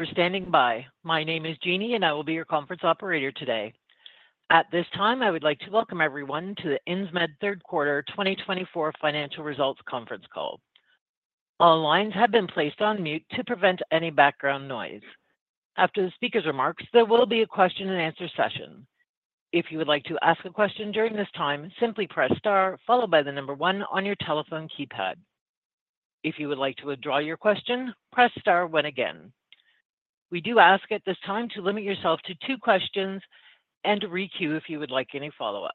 Thank you for standing by. My name is Jeannie, and I will be your conference operator today. At this time, I would like to welcome everyone to the Insmed Third Quarter 2024 Financial Results Conference Call. All lines have been placed on mute to prevent any background noise. After the speaker's remarks, there will be a question-and-answer session. If you would like to ask a question during this time, simply press Star, followed by the number one on your telephone keypad. If you would like to withdraw your question, press Star two again. We do ask at this time to limit yourself to two questions and to re-queue if you would like any follow-ups.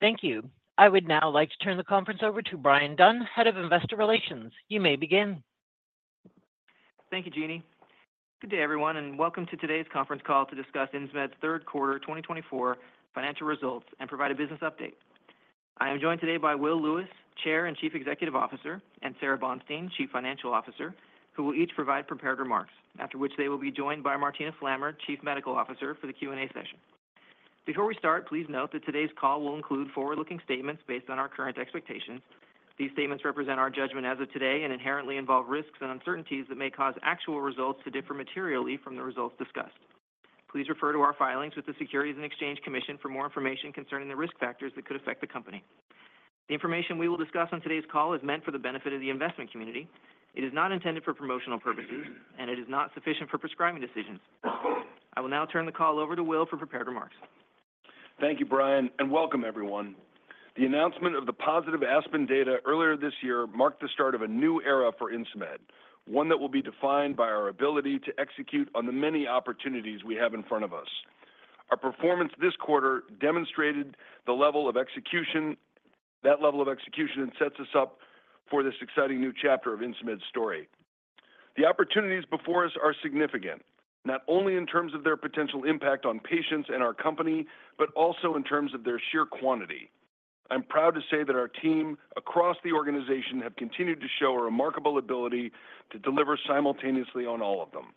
Thank you. I would now like to turn the conference over to Bryan Dunn, Head of Investor Relations. You may begin. Thank you, Jeannie. Good day, everyone, and welcome to today's conference call to discuss Insmed Third Quarter 2024 financial results and provide a business update. I am joined today by Will Lewis, Chair and Chief Executive Officer, and Sara Bonstein, Chief Financial Officer, who will each provide prepared remarks, after which they will be joined by Martina Flammer, Chief Medical Officer, for the Q&A session. Before we start, please note that today's call will include forward-looking statements based on our current expectations. These statements represent our judgment as of today and inherently involve risks and uncertainties that may cause actual results to differ materially from the results discussed. Please refer to our filings with the Securities and Exchange Commission for more information concerning the risk factors that could affect the company. The information we will discuss on today's call is meant for the benefit of the investment community. It is not intended for promotional purposes, and it is not sufficient for prescribing decisions. I will now turn the call over to Will for prepared remarks. Thank you, Brian, and welcome, everyone. The announcement of the positive Aspen data earlier this year marked the start of a new era for Insmed, one that will be defined by our ability to execute on the many opportunities we have in front of us. Our performance this quarter demonstrated the level of execution that sets us up for this exciting new chapter of Insmed's story. The opportunities before us are significant, not only in terms of their potential impact on patients and our company, but also in terms of their sheer quantity. I'm proud to say that our team across the organization have continued to show a remarkable ability to deliver simultaneously on all of them.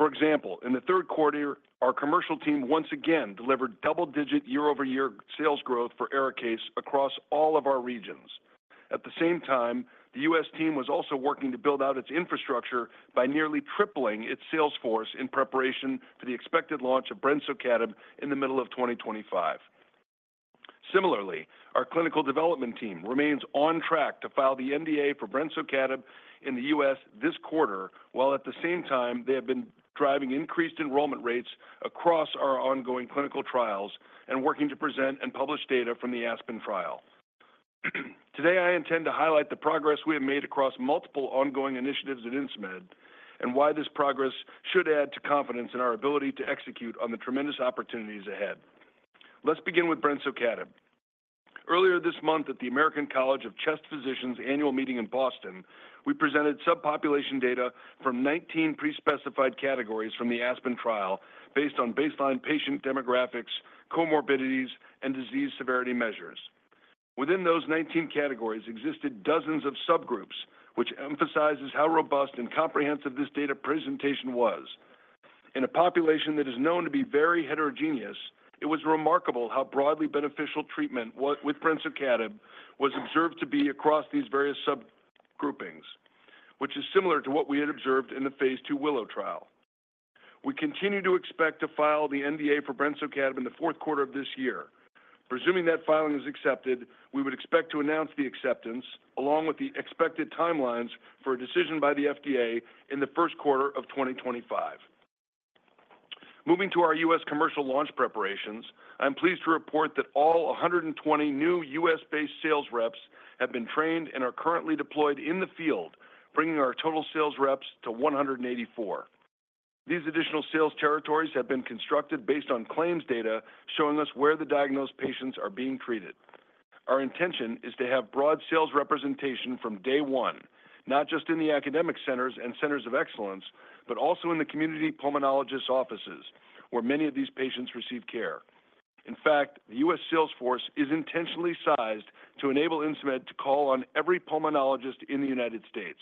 For example, in the third quarter, our commercial team once again delivered double-digit year-over-year sales growth for Arikayce across all of our regions. At the same time, the US team was also working to build out its infrastructure by nearly tripling its sales force in preparation for the expected launch of brensocatib in the middle of 2025. Similarly, our clinical development team remains on track to file the NDA for brensocatib in the US this quarter, while at the same time, they have been driving increased enrollment rates across our ongoing clinical trials and working to present and publish data from the Aspen trial. Today, I intend to highlight the progress we have made across multiple ongoing initiatives at Insmed and why this progress should add to confidence in our ability to execute on the tremendous opportunities ahead. Let's begin with brensocatib. Earlier this month, at the American College of Chest Physicians' annual meeting in Boston, we presented subpopulation data from 19 pre-specified categories from the Aspen trial based on baseline patient demographics, comorbidities, and disease severity measures. Within those 19 categories existed dozens of subgroups, which emphasizes how robust and comprehensive this data presentation was. In a population that is known to be very heterogeneous, it was remarkable how broadly beneficial treatment with Brensocatib was observed to be across these various subgroupings, which is similar to what we had observed in the phase 2 Willow trial. We continue to expect to file the NDA for Brensocatib in the fourth quarter of this year. Presuming that filing is accepted, we would expect to announce the acceptance, along with the expected timelines for a decision by the FDA in the first quarter of 2025. Moving to our US commercial launch preparations, I'm pleased to report that all 120 new US-based sales reps have been trained and are currently deployed in the field, bringing our total sales reps to 184. These additional sales territories have been constructed based on claims data showing us where the diagnosed patients are being treated. Our intention is to have broad sales representation from day one, not just in the academic centers and centers of excellence, but also in the community pulmonologist offices where many of these patients receive care. In fact, the US sales force is intentionally sized to enable Insmed to call on every pulmonologist in the United States.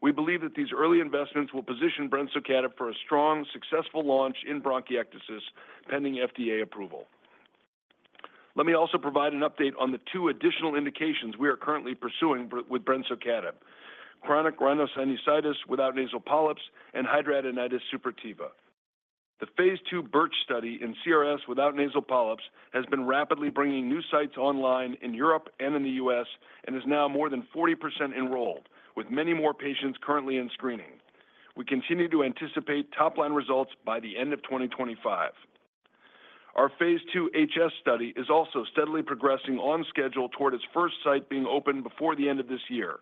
We believe that these early investments will position Brensocatib for a strong, successful launch in bronchiectasis pending FDA approval. Let me also provide an update on the two additional indications we are currently pursuing with Brensocatib: chronic rhinosinusitis without nasal polyps and hidradenitis suppurativa. The phase 2 Birch study in CRS without nasal polyps has been rapidly bringing new sites online in Europe and in the US And is now more than 40% enrolled, with many more patients currently in screening. We continue to anticipate top-line results by the end of 2025. Our phase 2 HS study is also steadily progressing on schedule toward its first site being opened before the end of this year.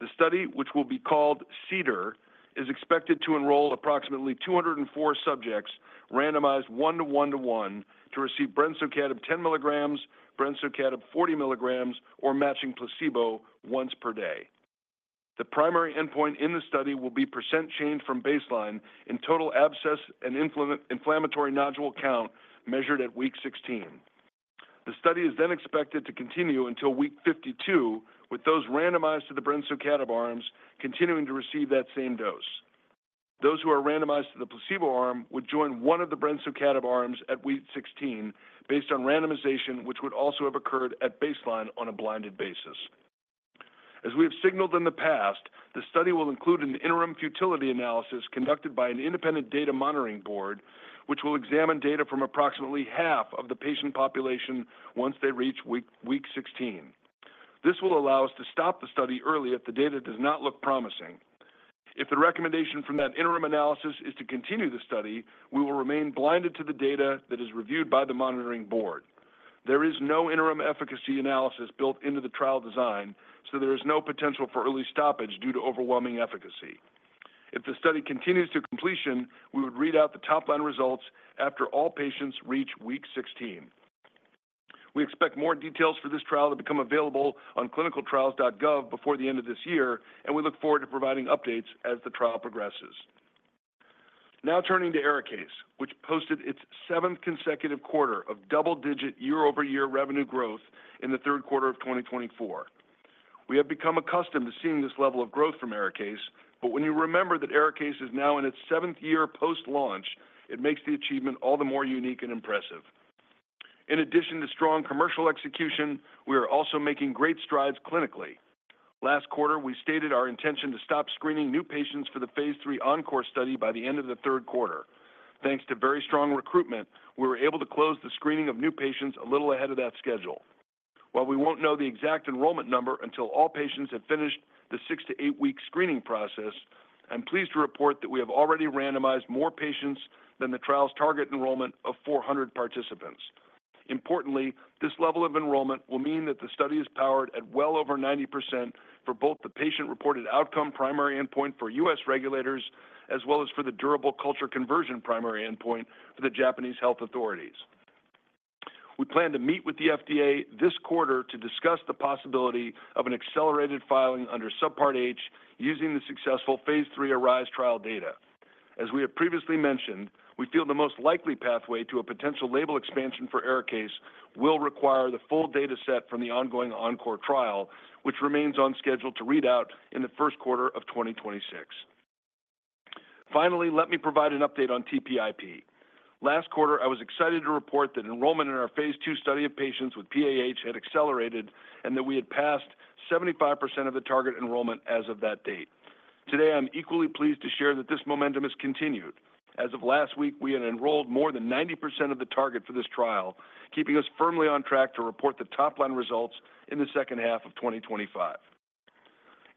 The study, which will be called CEDAR, is expected to enroll approximately 204 subjects randomized 1:1:1 to receive Brensocatib 10 mg, Brensocatib 40 mg, or matching placebo once per day. The primary endpoint in the study will be % change from baseline in total abscess and inflammatory nodule count measured at week 16. The study is then expected to continue until week 52, with those randomized to the Brensocatib arms continuing to receive that same dose. Those who are randomized to the placebo arm would join one of the Brensocatib arms at week 16 based on randomization, which would also have occurred at baseline on a blinded basis. As we have signaled in the past, the study will include an interim futility analysis conducted by an independent data monitoring board, which will examine data from approximately half of the patient population once they reach week 16. This will allow us to stop the study early if the data does not look promising. If the recommendation from that interim analysis is to continue the study, we will remain blinded to the data that is reviewed by the monitoring board. There is no interim efficacy analysis built into the trial design, so there is no potential for early stoppage due to overwhelming efficacy. If the study continues to completion, we would read out the top-line results after all patients reach week 16. We expect more details for this trial to become available on ClinicalTrials.gov before the end of this year, and we look forward to providing updates as the trial progresses. Now turning to Arikayce, which posted its seventh consecutive quarter of double-digit year-over-year revenue growth in the third quarter of 2024. We have become accustomed to seeing this level of growth from Arikayce, but when you remember that Arikayce is now in its seventh year post-launch, it makes the achievement all the more unique and impressive. In addition to strong commercial execution, we are also making great strides clinically. Last quarter, we stated our intention to stop screening new patients for the phase 3 ENCORE study by the end of the third quarter. Thanks to very strong recruitment, we were able to close the screening of new patients a little ahead of that schedule. While we won't know the exact enrollment number until all patients have finished the six to eight-week screening process, I'm pleased to report that we have already randomized more patients than the trial's target enrollment of 400 participants. Importantly, this level of enrollment will mean that the study is powered at well over 90% for both the patient-reported outcome primary endpoint for US regulators as well as for the durable culture conversion primary endpoint for the Japanese health authorities. We plan to meet with the FDA this quarter to discuss the possibility of an accelerated filing under Subpart H using the successful phase 3 Arise trial data. As we have previously mentioned, we feel the most likely pathway to a potential label expansion for Arikayce will require the full data set from the ongoing Encore trial, which remains on schedule to read out in the first quarter of 2026. Finally, let me provide an update on TPIP. Last quarter, I was excited to report that enrollment in our phase 2 study of patients with PAH had accelerated and that we had passed 75% of the target enrollment as of that date. Today, I'm equally pleased to share that this momentum has continued. As of last week, we had enrolled more than 90% of the target for this trial, keeping us firmly on track to report the top-line results in the second half of 2025.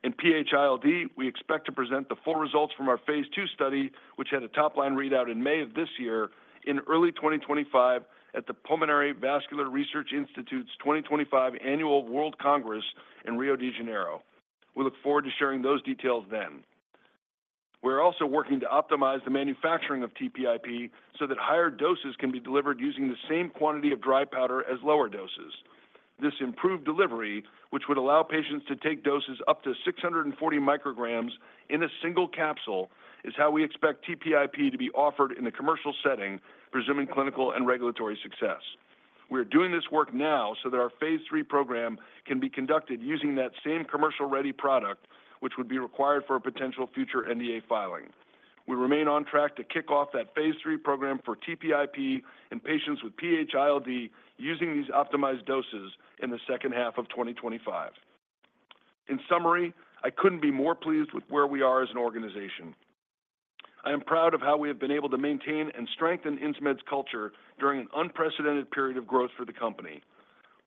In PH-ILD, we expect to present the full results from our phase 2 study, which had a top-line readout in May of this year, in early 2025 at the Pulmonary Vascular Research Institute's 2025 Annual World Congress in Rio de Janeiro. We look forward to sharing those details then. We are also working to optimize the manufacturing of TPIP so that higher doses can be delivered using the same quantity of dry powder as lower doses. This improved delivery, which would allow patients to take doses up to 640 micrograms in a single capsule, is how we expect TPIP to be offered in the commercial setting, presuming clinical and regulatory success. We are doing this work now so that our phase 3 program can be conducted using that same commercial-ready product, which would be required for a potential future NDA filing. We remain on track to kick off that phase 3 program for TPIP in patients with PH-ILD using these optimized doses in the second half of 2025. In summary, I couldn't be more pleased with where we are as an organization. I am proud of how we have been able to maintain and strengthen Insmed's culture during an unprecedented period of growth for the company.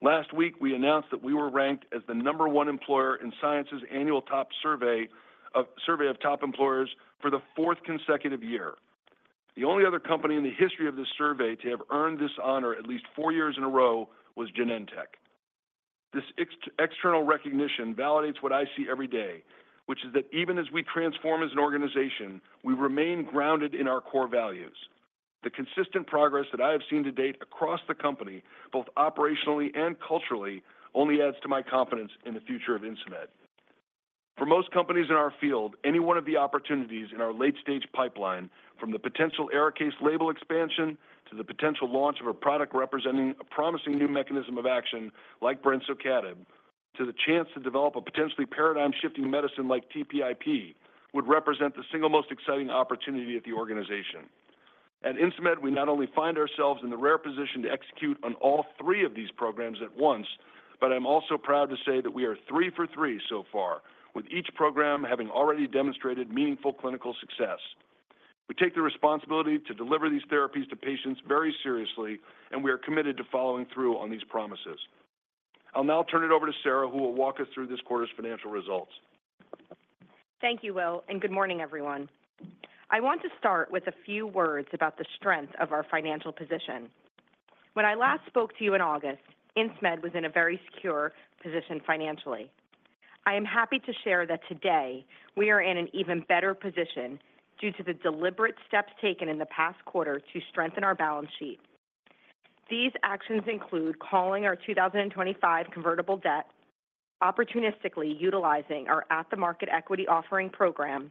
Last week, we announced that we were ranked as the number one employer in Science's annual top survey of top employers for the fourth consecutive year. The only other company in the history of this survey to have earned this honor at least four years in a row was Genentech. This external recognition validates what I see every day, which is that even as we transform as an organization, we remain grounded in our core values. The consistent progress that I have seen to date across the company, both operationally and culturally, only adds to my confidence in the future of Insmed. For most companies in our field, any one of the opportunities in our late-stage pipeline, from the potential Arikayce label expansion to the potential launch of a product representing a promising new mechanism of action like brensocatib, to the chance to develop a potentially paradigm-shifting medicine like TPIP, would represent the single most exciting opportunity at the organization. At Insmed, we not only find ourselves in the rare position to execute on all three of these programs at once, but I'm also proud to say that we are three for three so far, with each program having already demonstrated meaningful clinical success. We take the responsibility to deliver these therapies to patients very seriously, and we are committed to following through on these promises. I'll now turn it over to Sara, who will walk us through this quarter's financial results. Thank you, Will, and good morning, everyone. I want to start with a few words about the strength of our financial position. When I last spoke to you in August, Insmed was in a very secure position financially. I am happy to share that today we are in an even better position due to the deliberate steps taken in the past quarter to strengthen our balance sheet. These actions include calling our 2025 convertible debt, opportunistically utilizing our at-the-market equity offering program,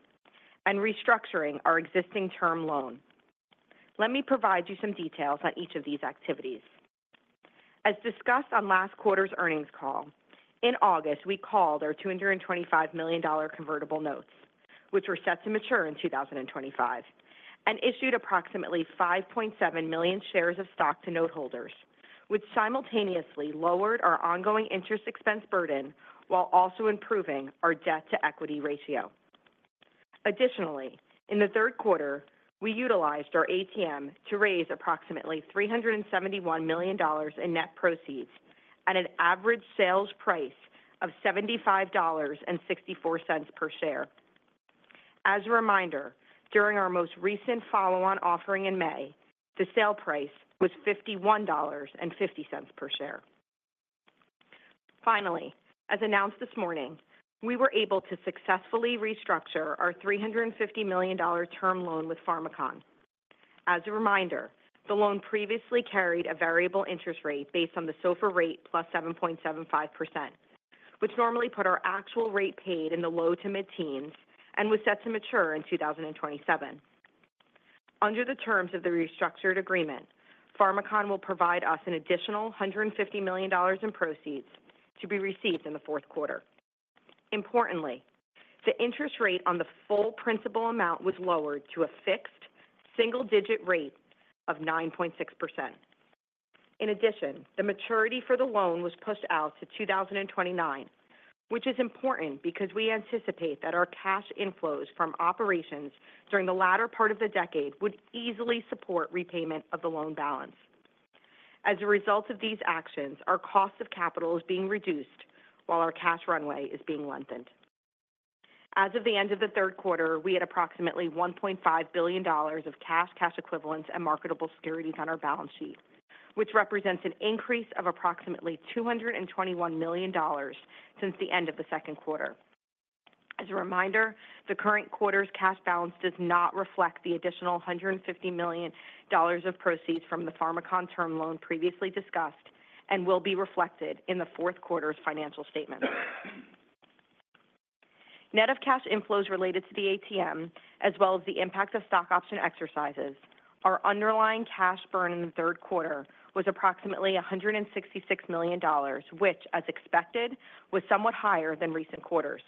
and restructuring our existing term loan. Let me provide you some details on each of these activities. As discussed on last quarter's earnings call, in August, we called our $225 million convertible notes, which were set to mature in 2025, and issued approximately 5.7 million shares of stock to noteholders, which simultaneously lowered our ongoing interest expense burden while also improving our debt-to-equity ratio. Additionally, in the third quarter, we utilized our ATM to raise approximately $371 million in net proceeds at an average sales price of $75.64 per share. As a reminder, during our most recent follow-on offering in May, the sale price was $51.50 per share. Finally, as announced this morning, we were able to successfully restructure our $350 million term loan with Pharmakon. As a reminder, the loan previously carried a variable interest rate based on the SOFR rate plus 7.75%, which normally put our actual rate paid in the low to mid-teens and was set to mature in 2027. Under the terms of the restructured agreement, Pharmakon will provide us an additional $150 million in proceeds to be received in the fourth quarter. Importantly, the interest rate on the full principal amount was lowered to a fixed single-digit rate of 9.6%. In addition, the maturity for the loan was pushed out to 2029, which is important because we anticipate that our cash inflows from operations during the latter part of the decade would easily support repayment of the loan balance. As a result of these actions, our cost of capital is being reduced while our cash runway is being lengthened. As of the end of the third quarter, we had approximately $1.5 billion of cash, cash equivalents, and marketable securities on our balance sheet, which represents an increase of approximately $221 million since the end of the second quarter. As a reminder, the current quarter's cash balance does not reflect the additional $150 million of proceeds from the Pharmakon term loan previously discussed and will be reflected in the fourth quarter's financial statement. Net of cash inflows related to the ATM, as well as the impact of stock option exercises, our underlying cash burn in the third quarter was approximately $166 million, which, as expected, was somewhat higher than recent quarters.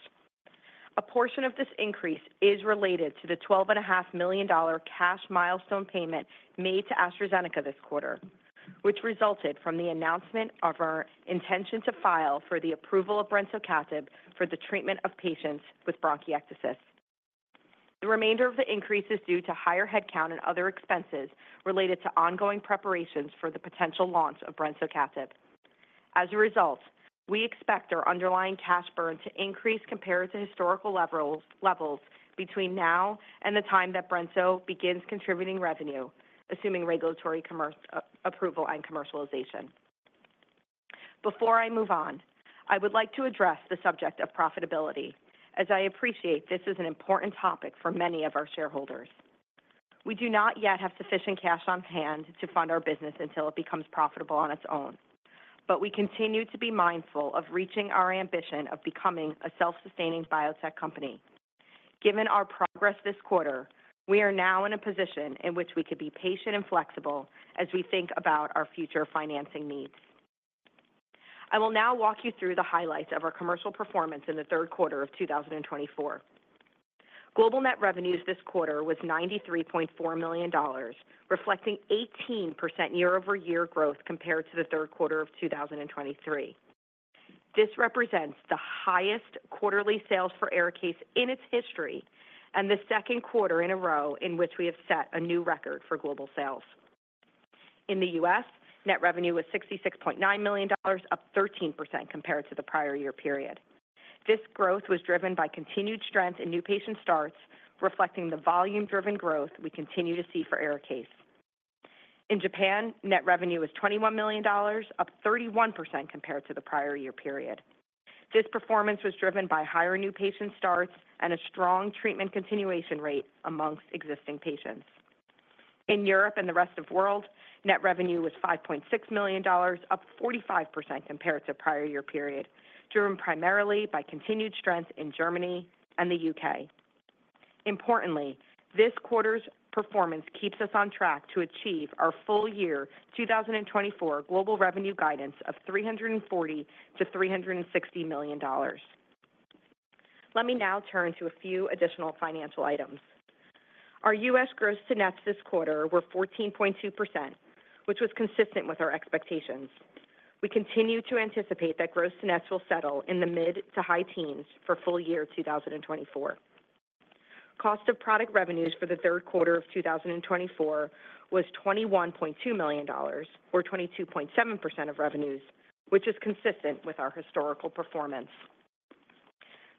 A portion of this increase is related to the $12.5 million cash milestone payment made to AstraZeneca this quarter, which resulted from the announcement of our intention to file for the approval of Brensocatib for the treatment of patients with bronchiectasis. The remainder of the increase is due to higher headcount and other expenses related to ongoing preparations for the potential launch of Brensocatib. As a result, we expect our underlying cash burn to increase compared to historical levels between now and the time that Brensocatib begins contributing revenue, assuming regulatory approval and commercialization. Before I move on, I would like to address the subject of profitability, as I appreciate this is an important topic for many of our shareholders. We do not yet have sufficient cash on hand to fund our business until it becomes profitable on its own, but we continue to be mindful of reaching our ambition of becoming a self-sustaining biotech company. Given our progress this quarter, we are now in a position in which we could be patient and flexible as we think about our future financing needs. I will now walk you through the highlights of our commercial performance in the third quarter of 2024. Global net revenues this quarter was $93.4 million, reflecting 18% year-over-year growth compared to the third quarter of 2023. This represents the highest quarterly sales for Arikayce in its history and the second quarter in a row in which we have set a new record for global sales. In the US, net revenue was $66.9 million, up 13% compared to the prior year period. This growth was driven by continued strength in new patient starts, reflecting the volume-driven growth we continue to see for Arikayce. In Japan, net revenue was $21 million, up 31% compared to the prior year period. This performance was driven by higher new patient starts and a strong treatment continuation rate among existing patients. In Europe and the rest of the world, net revenue was $5.6 million, up 45% compared to the prior year period, driven primarily by continued strength in Germany and the U.K. Importantly, this quarter's performance keeps us on track to achieve our full year 2024 global revenue guidance of $340 to $360 million. Let me now turn to a few additional financial items. Our US gross-to-nets this quarter were 14.2%, which was consistent with our expectations. We continue to anticipate that gross-to-nets will settle in the mid to high teens for full year 2024. Cost of product revenues for the third quarter of 2024 was $21.2 million, or 22.7% of revenues, which is consistent with our historical performance.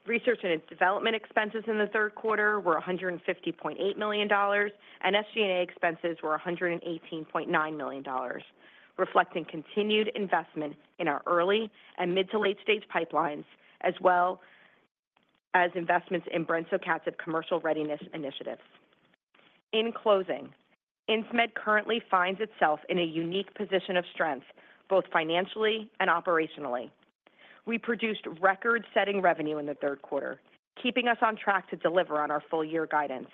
Research and development expenses in the third quarter were $150.8 million, and SG&A expenses were $118.9 million, reflecting continued investment in our early and mid to late-stage pipelines, as well as investments in Brensocatib's commercial readiness initiatives. In closing, Insmed currently finds itself in a unique position of strength, both financially and operationally. We produced record-setting revenue in the third quarter, keeping us on track to deliver on our full-year guidance.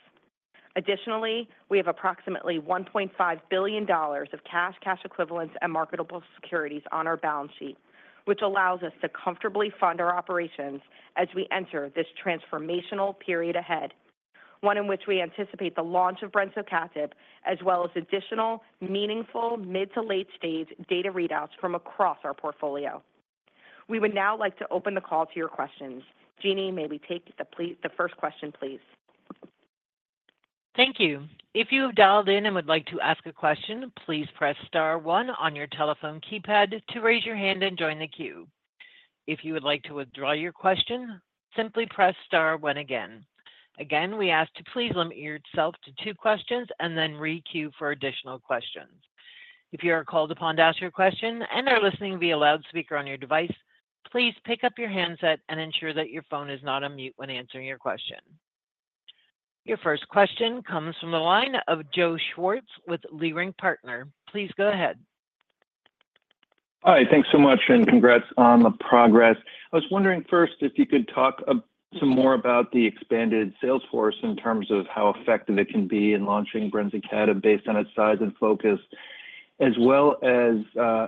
Additionally, we have approximately $1.5 billion of cash, cash equivalents, and marketable securities on our balance sheet, which allows us to comfortably fund our operations as we enter this transformational period ahead, one in which we anticipate the launch of Brensocatib, as well as additional meaningful mid to late-stage data readouts from across our portfolio. We would now like to open the call to your questions. Jeannie, may we take the first question, please? Thank you. If you have dialed in and would like to ask a question, please press star one on your telephone keypad to raise your hand and join the queue. If you would like to withdraw your question, simply press star one again. Again, we ask to please limit yourself to two questions and then re-queue for additional questions. If you are called upon to ask your question and are listening via loudspeaker on your device, please pick up your handset and ensure that your phone is not on mute when answering your question. Your first question comes from the line of Joe Schwartz with Leerink Partners. Please go ahead. Hi. Thanks so much, and congrats on the progress. I was wondering first if you could talk some more about the expanded sales force in terms of how effective it can be in launching brensocatib based on its size and focus, as well as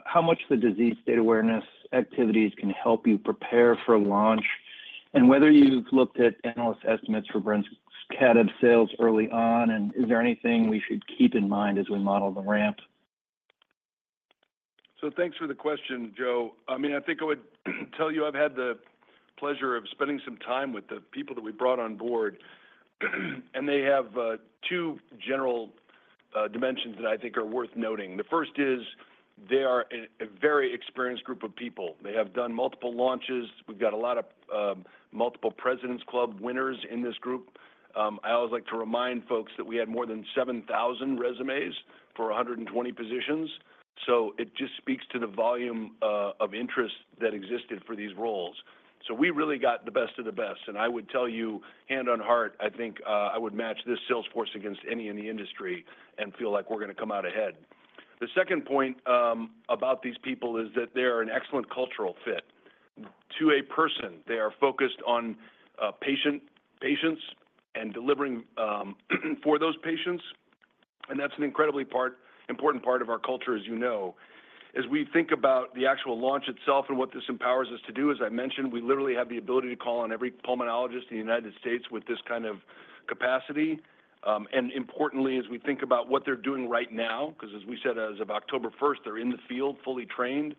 how much the disease state awareness activities can help you prepare for a launch, and whether you've looked at analyst estimates for brensocatib sales early on, and is there anything we should keep in mind as we model the ramp? So thanks for the question, Joe. I mean, I think I would tell you I've had the pleasure of spending some time with the people that we brought on board, and they have two general dimensions that I think are worth noting. The first is they are a very experienced group of people. They have done multiple launches. We've got a lot of multiple Presidents Club winners in this group. I always like to remind folks that we had more than 7,000 resumes for 120 positions, so it just speaks to the volume of interest that existed for these roles. So we really got the best of the best, and I would tell you hand on heart, I think I would match this Salesforce against any in the industry and feel like we're going to come out ahead. The second point about these people is that they are an excellent cultural fit to a person. They are focused on patients and delivering for those patients, and that's an incredibly important part of our culture, as you know. As we think about the actual launch itself and what this empowers us to do, as I mentioned, we literally have the ability to call on every pulmonologist in the United States with this kind of capacity. And importantly, as we think about what they're doing right now, because as we said, as of October 1st, they're in the field fully trained,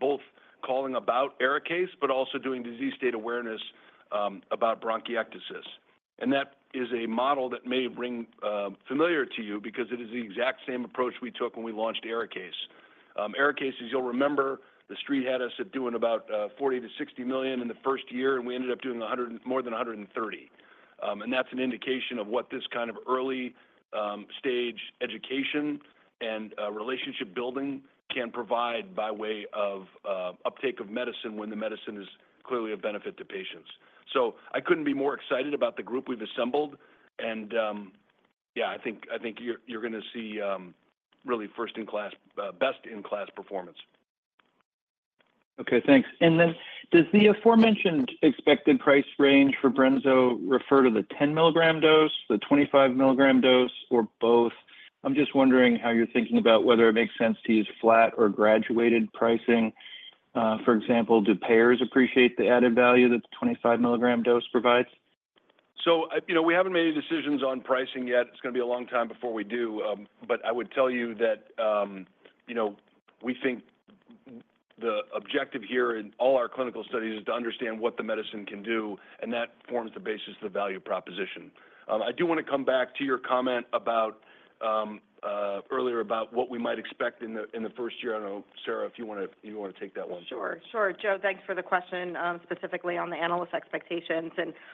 both calling about Arikayce, but also doing disease state awareness about bronchiectasis, and that is a model that may ring familiar to you because it is the exact same approach we took when we launched Arikayce. Arikayce, as you'll remember, the street had us at doing about $40 million-$60 million in the first year, and we ended up doing more than $130 million. That's an indication of what this kind of early-stage education and relationship building can provide by way of uptake of medicine when the medicine is clearly a benefit to patients. I couldn't be more excited about the group we've assembled, and yeah, I think you're going to see really first-in-class, best-in-class performance. Okay. Thanks. And then does the aforementioned expected price range for Brensocatib refer to the 10 milligram dose, the 25 milligram dose, or both? I'm just wondering how you're thinking about whether it makes sense to use flat or graduated pricing. For example, do payers appreciate the added value that the 25 milligram dose provides? So we haven't made any decisions on pricing yet. It's going to be a long time before we do, but I would tell you that we think the objective here in all our clinical studies is to understand what the medicine can do, and that forms the basis of the value proposition. I do want to come back to your comment earlier about what we might expect in the first year. I don't know, Sara, if you want to take that one. Sure. Sure. Joe, thanks for the question specifically on the analyst expectations.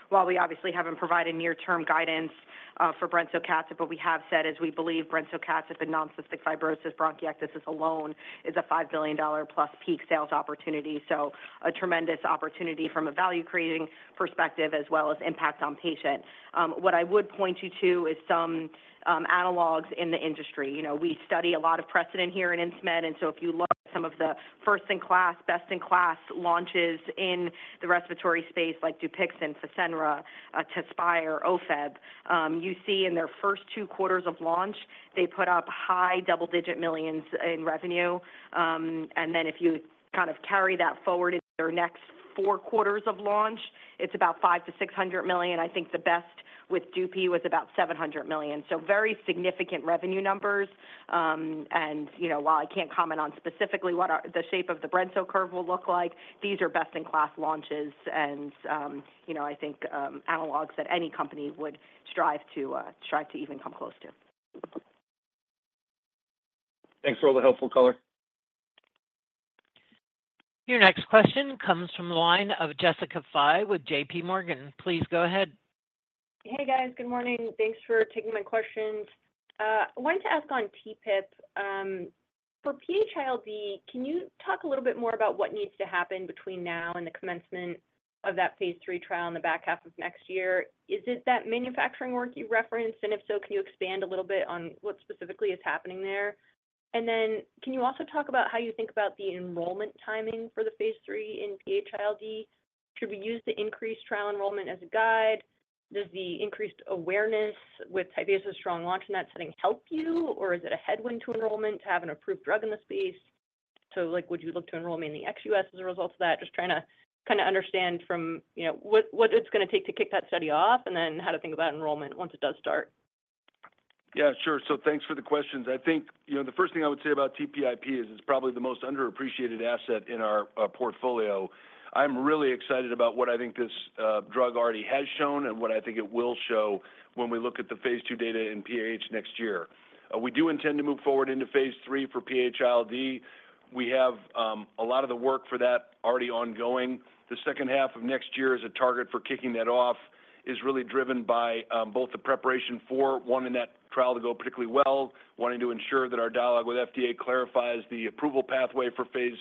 While we obviously haven't provided near-term guidance for brensocatib, what we have said is we believe brensocatib and non-cystic fibrosis bronchiectasis alone is a $5 billion-plus peak sales opportunity, so a tremendous opportunity from a value-creating perspective as well as impact on patient. What I would point you to is some analogs in the industry. We study a lot of precedent here in Insmed, and so if you look at some of the first-in-class, best-in-class launches in the respiratory space like Dupixent, Fasenra, Tezspire, Ofev, you see in their first two quarters of launch, they put up high double-digit millions in revenue. Then if you kind of carry that forward into their next four quarters of launch, it's about 500 to 600 million. I think the best with Dupi was about 700 million. Very significant revenue numbers. While I can't comment on specifically what the shape of the Brensocatib curve will look like, these are best-in-class launches, and I think analogs that any company would strive to even come close to. Thanks for all the helpful color. Your next question comes from the line of Jessica Fye with J.P. Morgan. Please go ahead. Hey, guys. Good morning. Thanks for taking my questions. I wanted to ask on TPIP. For PH-ILD, can you talk a little bit more about what needs to happen between now and the commencement of that phase 3 trial in the back half of next year? Is it that manufacturing work you referenced? And if so, can you expand a little bit on what specifically is happening there? And then can you also talk about how you think about the enrollment timing for the phase 3 in PH-ILD? Should we use the INSPIRE trial enrollment as a guide? Does the increased awareness with Tyvaso's strong launch in that setting help you, or is it a headwind to enrollment to have an approved drug in the space? So would you look to enroll mainly ex-US as a result of that? Just trying to kind of understand from what it's going to take to kick that study off and then how to think about enrollment once it does start. Yeah. Sure. So thanks for the questions. I think the first thing I would say about TPIP is it's probably the most underappreciated asset in our portfolio. I'm really excited about what I think this drug already has shown and what I think it will show when we look at the phase two data in PAH next year. We do intend to move forward into phase three for PH-ILD. We have a lot of the work for that already ongoing. The second half of next year as a target for kicking that off is really driven by both the preparation for wanting that trial to go particularly well, wanting to ensure that our dialogue with FDA clarifies the approval pathway for phase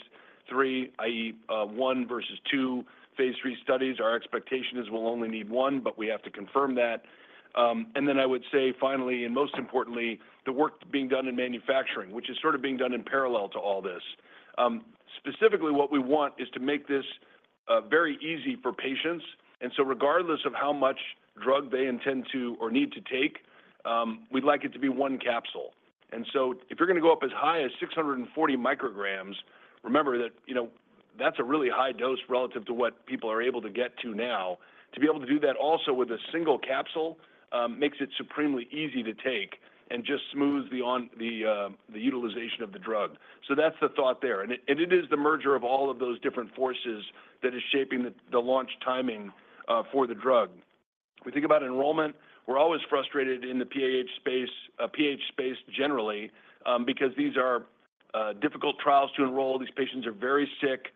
three, i.e., one versus two phase three studies. Our expectation is we'll only need one, but we have to confirm that. And then I would say finally, and most importantly, the work being done in manufacturing, which is sort of being done in parallel to all this. Specifically, what we want is to make this very easy for patients. And so regardless of how much drug they intend to or need to take, we'd like it to be one capsule. And so if you're going to go up as high as 640 micrograms, remember that that's a really high dose relative to what people are able to get to now. To be able to do that also with a single capsule makes it supremely easy to take and just smooths the utilization of the drug. So that's the thought there. And it is the merger of all of those different forces that is shaping the launch timing for the drug. We think about enrollment. We're always frustrated in the PH space generally because these are difficult trials to enroll. These patients are very sick.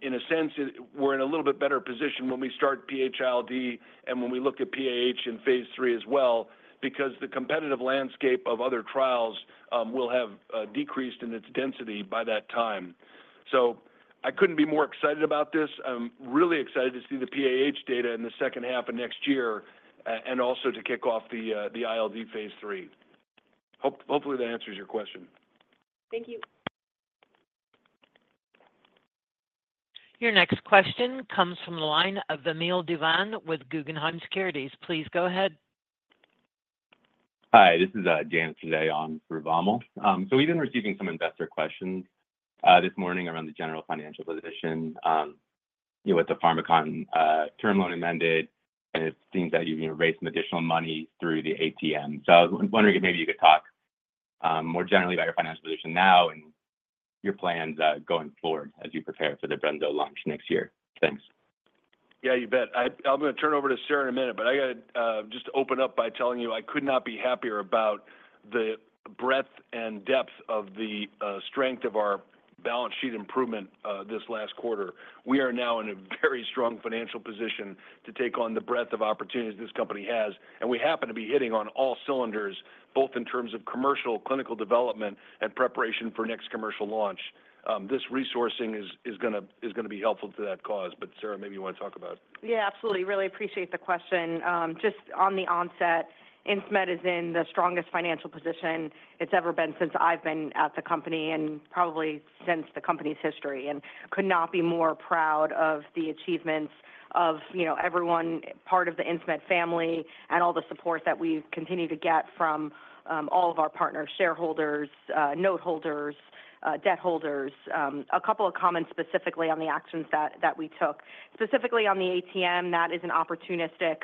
In a sense, we're in a little bit better position when we start PHILD and when we look at PAH in phase three as well because the competitive landscape of other trials will have decreased in its density by that time. So I couldn't be more excited about this. I'm really excited to see the PAH data in the second half of next year and also to kick off the ILD phase three. Hopefully, that answers your question. Thank you. Your next question comes from the line of Vamil Divan with Guggenheim Securities. Please go ahead. Hi. This is Janice Lezhaja on for Vamil. So we've been receiving some investor questions this morning around the general financial position with the Pharmakon term loan amended, and it seems that you've raised some additional money through the ATM. So I was wondering if maybe you could talk more generally about your financial position now and your plans going forward as you prepare for the Brensocatib launch next year. Thanks. Yeah, you bet. I'm going to turn over to Sara in a minute, but I got to just open up by telling you I could not be happier about the breadth and depth of the strength of our balance sheet improvement this last quarter. We are now in a very strong financial position to take on the breadth of opportunities this company has, and we happen to be hitting on all cylinders, both in terms of commercial clinical development and preparation for next commercial launch. This resourcing is going to be helpful to that cause. But Sara, maybe you want to talk about it. Yeah, absolutely. Really appreciate the question. Just on the onset, Insmed is in the strongest financial position it's ever been since I've been at the company and probably since the company's history, and could not be more proud of the achievements of everyone, part of the Insmed family, and all the support that we continue to get from all of our partners, shareholders, noteholders, debt holders. A couple of comments specifically on the actions that we took. Specifically on the ATM, that is an opportunistic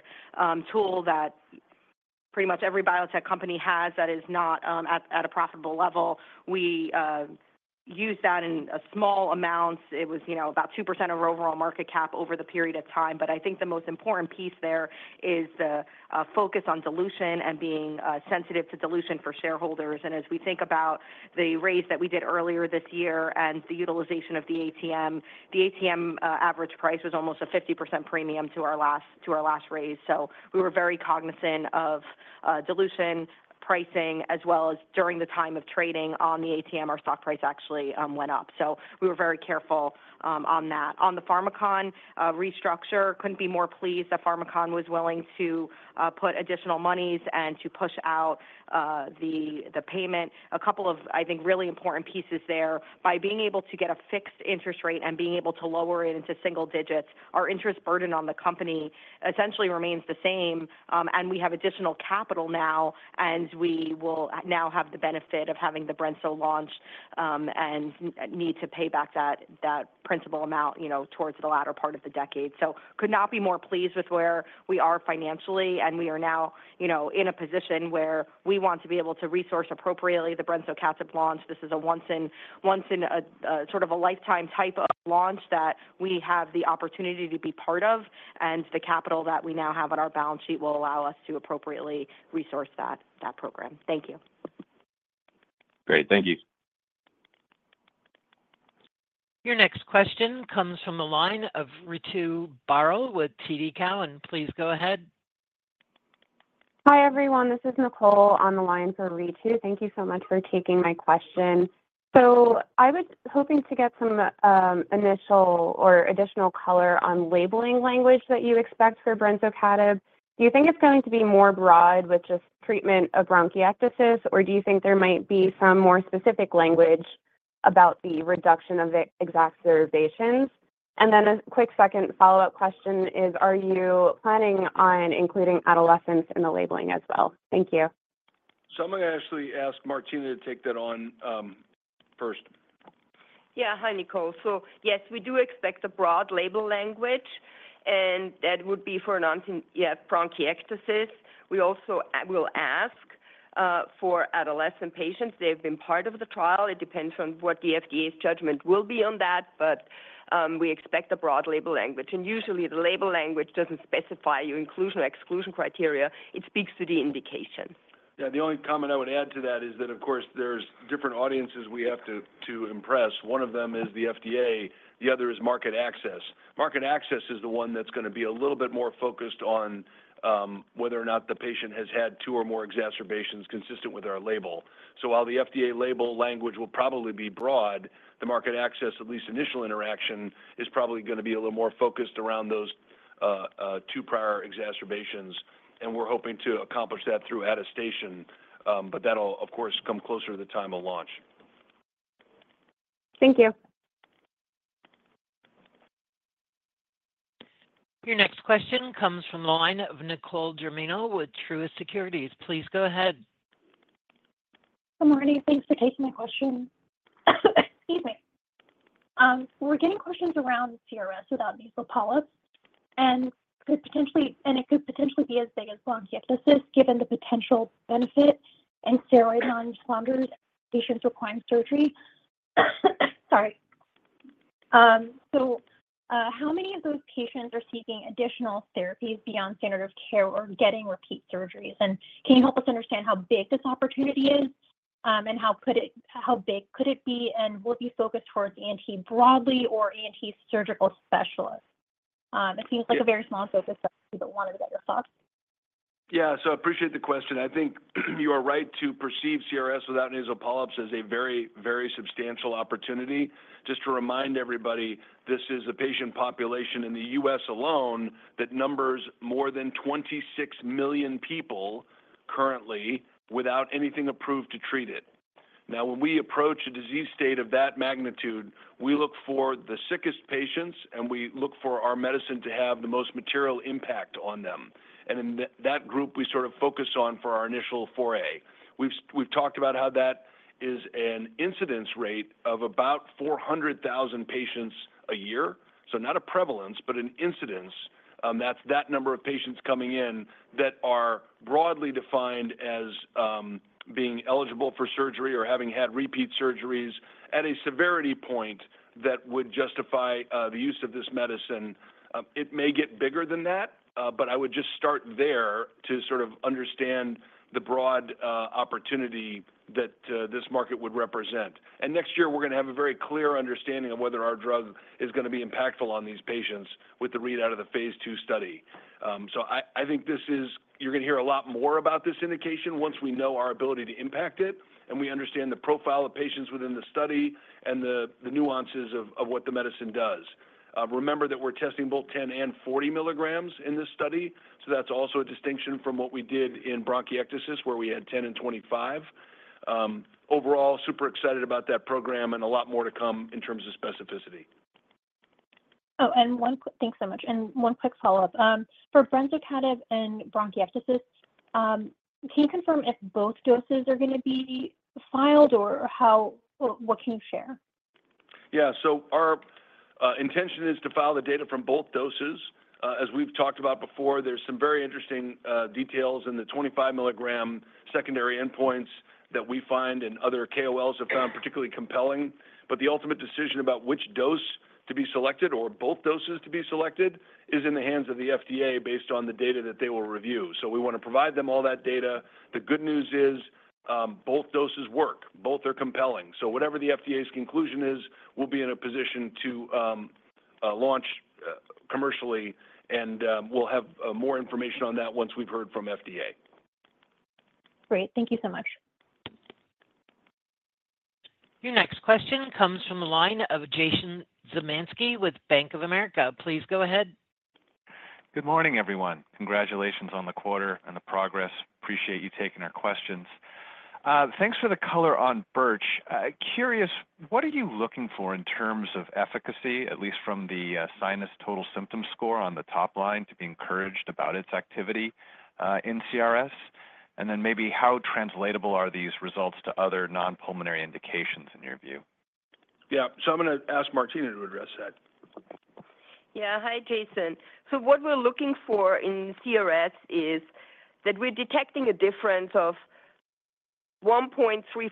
tool that pretty much every biotech company has that is not at a profitable level. We use that in small amounts. It was about 2% of our overall market cap over the period of time. But I think the most important piece there is the focus on dilution and being sensitive to dilution for shareholders. And as we think about the raise that we did earlier this year and the utilization of the ATM, the ATM average price was almost a 50% premium to our last raise. So we were very cognizant of dilution pricing as well as during the time of trading on the ATM, our stock price actually went up. So we were very careful on that. On the Pharmakon restructure, couldn't be more pleased that Pharmakon was willing to put additional monies and to push out the payment. A couple of, I think, really important pieces there. By being able to get a fixed interest rate and being able to lower it into single digits, our interest burden on the company essentially remains the same. We have additional capital now, and we will now have the benefit of having the Brensocatib launch and need to pay back that principal amount towards the latter part of the decade. Could not be more pleased with where we are financially. We are now in a position where we want to be able to resource appropriately the Brensocatib launch. This is a once-in-a-lifetime type of launch that we have the opportunity to be part of, and the capital that we now have on our balance sheet will allow us to appropriately resource that program. Thank you. Great. Thank you. Your next question comes from the line of Ritu Baral with TD Cowen, and please go ahead. Hi everyone. This is Nicole on the line for Ritu. Thank you so much for taking my question. So I was hoping to get some initial or additional color on labeling language that you expect for Brensocatib. Do you think it's going to be more broad with just treatment of bronchiectasis, or do you think there might be some more specific language about the reduction of the exacerbations? And then a quick second follow-up question is, are you planning on including adolescents in the labeling as well? Thank you. I'm going to actually ask Martina to take that on first. Yeah. Hi, Nicole. So yes, we do expect a broad label language, and that would be for bronchiectasis. We also will ask for adolescent patients. They've been part of the trial. It depends on what the FDA's judgment will be on that, but we expect a broad label language. And usually, the label language doesn't specify your inclusion or exclusion criteria. It speaks to the indication. Yeah. The only comment I would add to that is that, of course, there's different audiences we have to impress. One of them is the FDA. The other is market access. Market access is the one that's going to be a little bit more focused on whether or not the patient has had two or more exacerbations consistent with our label. So while the FDA label language will probably be broad, the market access, at least initial interaction, is probably going to be a little more focused around those two prior exacerbations. And we're hoping to accomplish that through attestation, but that'll, of course, come closer to the time of launch. Thank you. Your next question comes from the line of Nicole Germino with Truist Securities. Please go ahead. Good morning. Thanks for taking my question. Excuse me. We're getting questions around CRS without nasal polyps, and it could potentially be as big as bronchiectasis given the potential benefit in steroid non-responders and patients requiring surgery. Sorry. So how many of those patients are seeking additional therapies beyond standard of care or getting repeat surgeries? And can you help us understand how big this opportunity is and how big could it be and will it be focused towards ENT broadly or surgical specialists? It seems like a very small focus, but we wanted to get your thoughts. Yeah. So I appreciate the question. I think you are right to perceive CRS without nasal polyps as a very, very substantial opportunity. Just to remind everybody, this is a patient population in the US alone that numbers more than 26 million people currently without anything approved to treat it. Now, when we approach a disease state of that magnitude, we look for the sickest patients, and we look for our medicine to have the most material impact on them. And that group we sort of focus on for our initial foray. We've talked about how that is an incidence rate of about 400,000 patients a year. So not a prevalence, but an incidence. That's that number of patients coming in that are broadly defined as being eligible for surgery or having had repeat surgeries at a severity point that would justify the use of this medicine. It may get bigger than that, but I would just start there to sort of understand the broad opportunity that this market would represent, and next year, we're going to have a very clear understanding of whether our drug is going to be impactful on these patients with the readout of the phase two study. So I think this is you're going to hear a lot more about this indication once we know our ability to impact it and we understand the profile of patients within the study and the nuances of what the medicine does. Remember that we're testing both 10 and 40 milligrams in this study, so that's also a distinction from what we did in bronchiectasis where we had 10 and 25. Overall, super excited about that program and a lot more to come in terms of specificity. Oh, and thanks so much. And one quick follow-up. For Brensocatib and bronchiectasis, can you confirm if both doses are going to be filed or what can you share? Yeah. So our intention is to file the data from both doses. As we've talked about before, there's some very interesting details in the 25-milligram secondary endpoints that we find and other KOLs have found particularly compelling. But the ultimate decision about which dose to be selected or both doses to be selected is in the hands of the FDA based on the data that they will review. So we want to provide them all that data. The good news is both doses work. Both are compelling. So whatever the FDA's conclusion is, we'll be in a position to launch commercially, and we'll have more information on that once we've heard from FDA. Great. Thank you so much. Your next question comes from the line of Jason Zemansky with Bank of America. Please go ahead. Good morning, everyone. Congratulations on the quarter and the progress. Appreciate you taking our questions. Thanks for the color on Birch. Curious, what are you looking for in terms of efficacy, at least from the sinus total symptom score on the top line to be encouraged about its activity in CRS? And then maybe how translatable are these results to other non-pulmonary indications in your view? Yeah. So I'm going to ask Martina to address that. Yeah. Hi, Jason. So what we're looking for in CRS is that we're detecting a difference of 1.34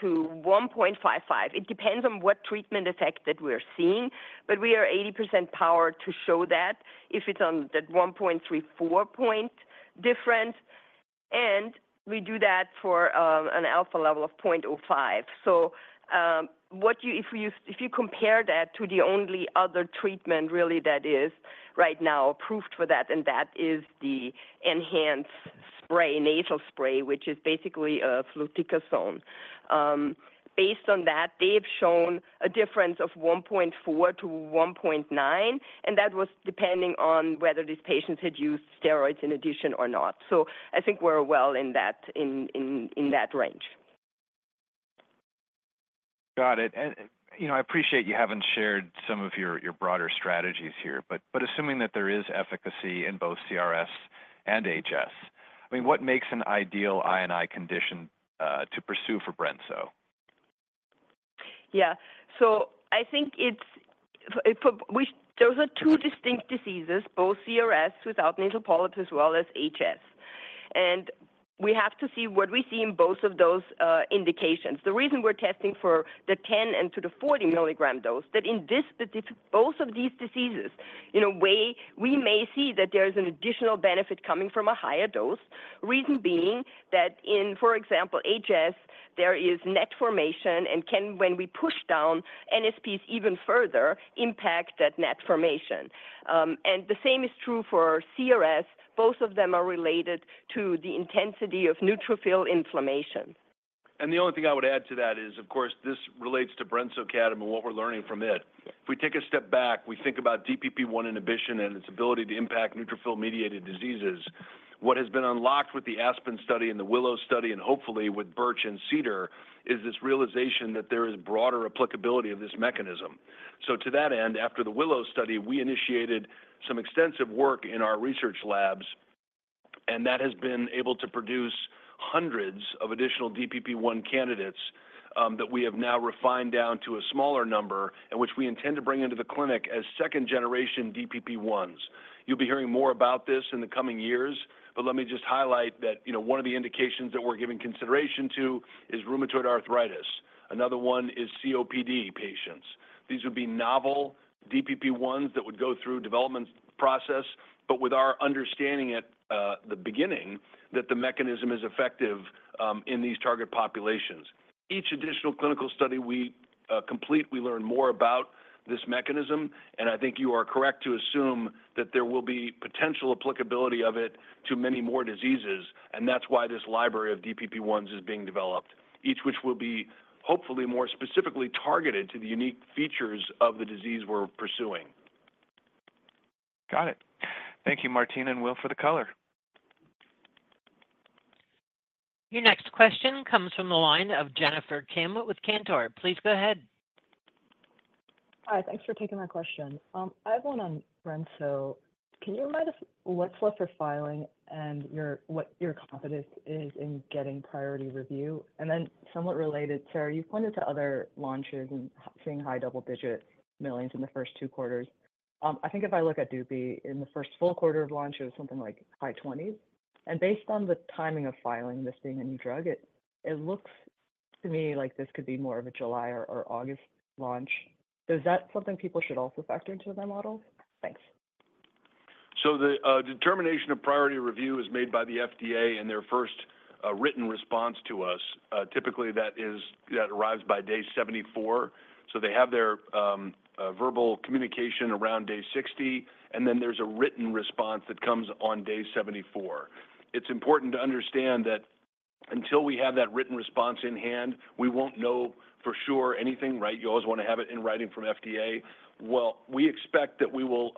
to 1.55. It depends on what treatment effect that we're seeing, but we are 80% power to show that if it's on that 1.34 point difference. And we do that for an alpha level of 0.05. So if you compare that to the only other treatment really that is right now approved for that, and that is the enhanced spray, nasal spray, which is basically fluticasone. Based on that, they've shown a difference of 1.4 to 1.9, and that was depending on whether these patients had used steroids in addition or not. So I think we're well in that range. Got it. And I appreciate you haven't shared some of your broader strategies here, but assuming that there is efficacy in both CRS and HS, I mean, what makes an ideal indication to pursue for brensocatib? Yeah. So I think there's two distinct diseases, both CRS without nasal polyps as well as HS. And we have to see what we see in both of those indications. The reason we're testing for the 10- and 40-milligram dose is that in both of these diseases, we may see that there is an additional benefit coming from a higher dose. Reason being that in, for example, HS, there is NET formation, and when we push down NSPs even further, impact that NET formation. And the same is true for CRS. Both of them are related to the intensity of neutrophil inflammation. The only thing I would add to that is, of course, this relates to Brensocatib and what we're learning from it. If we take a step back, we think about DPP-1 inhibition and its ability to impact neutrophil-mediated diseases. What has been unlocked with the Aspen study and the Willow study, and hopefully with Birch and Cedar, is this realization that there is broader applicability of this mechanism. So to that end, after the Willow study, we initiated some extensive work in our research labs, and that has been able to produce hundreds of additional DPP-1 candidates that we have now refined down to a smaller number and which we intend to bring into the clinic as second-generation DPP-1s. You'll be hearing more about this in the coming years, but let me just highlight that one of the indications that we're giving consideration to is rheumatoid arthritis. Another one is COPD patients. These would be novel DPP-1s that would go through development process, but with our understanding at the beginning that the mechanism is effective in these target populations. Each additional clinical study we complete, we learn more about this mechanism, and I think you are correct to assume that there will be potential applicability of it to many more diseases, and that's why this library of DPP-1s is being developed, each which will be hopefully more specifically targeted to the unique features of the disease we're pursuing. Got it. Thank you, Martina and Will, for the color. Your next question comes from the line of Jennifer Kim with Cantor Fitzgerald. Please go ahead. Hi. Thanks for taking my question. I have one on Brensocatib. Can you remind us what's left for filing and what your confidence is in getting priority review? And then somewhat related, Sara, you pointed to other launches and seeing high double-digit millions in the first two quarters. I think if I look at Dupixent, in the first full quarter of launch, it was something like high 20s. And based on the timing of filing, this being a new drug, it looks to me like this could be more of a July or August launch. Is that something people should also factor into their models? Thanks. The determination of priority review is made by the FDA in their first written response to us. Typically, that arrives by day 74. They have their verbal communication around day 60, and then there's a written response that comes on day 74. It's important to understand that until we have that written response in hand, we won't know for sure anything, right? You always want to have it in writing from FDA. We expect that we will,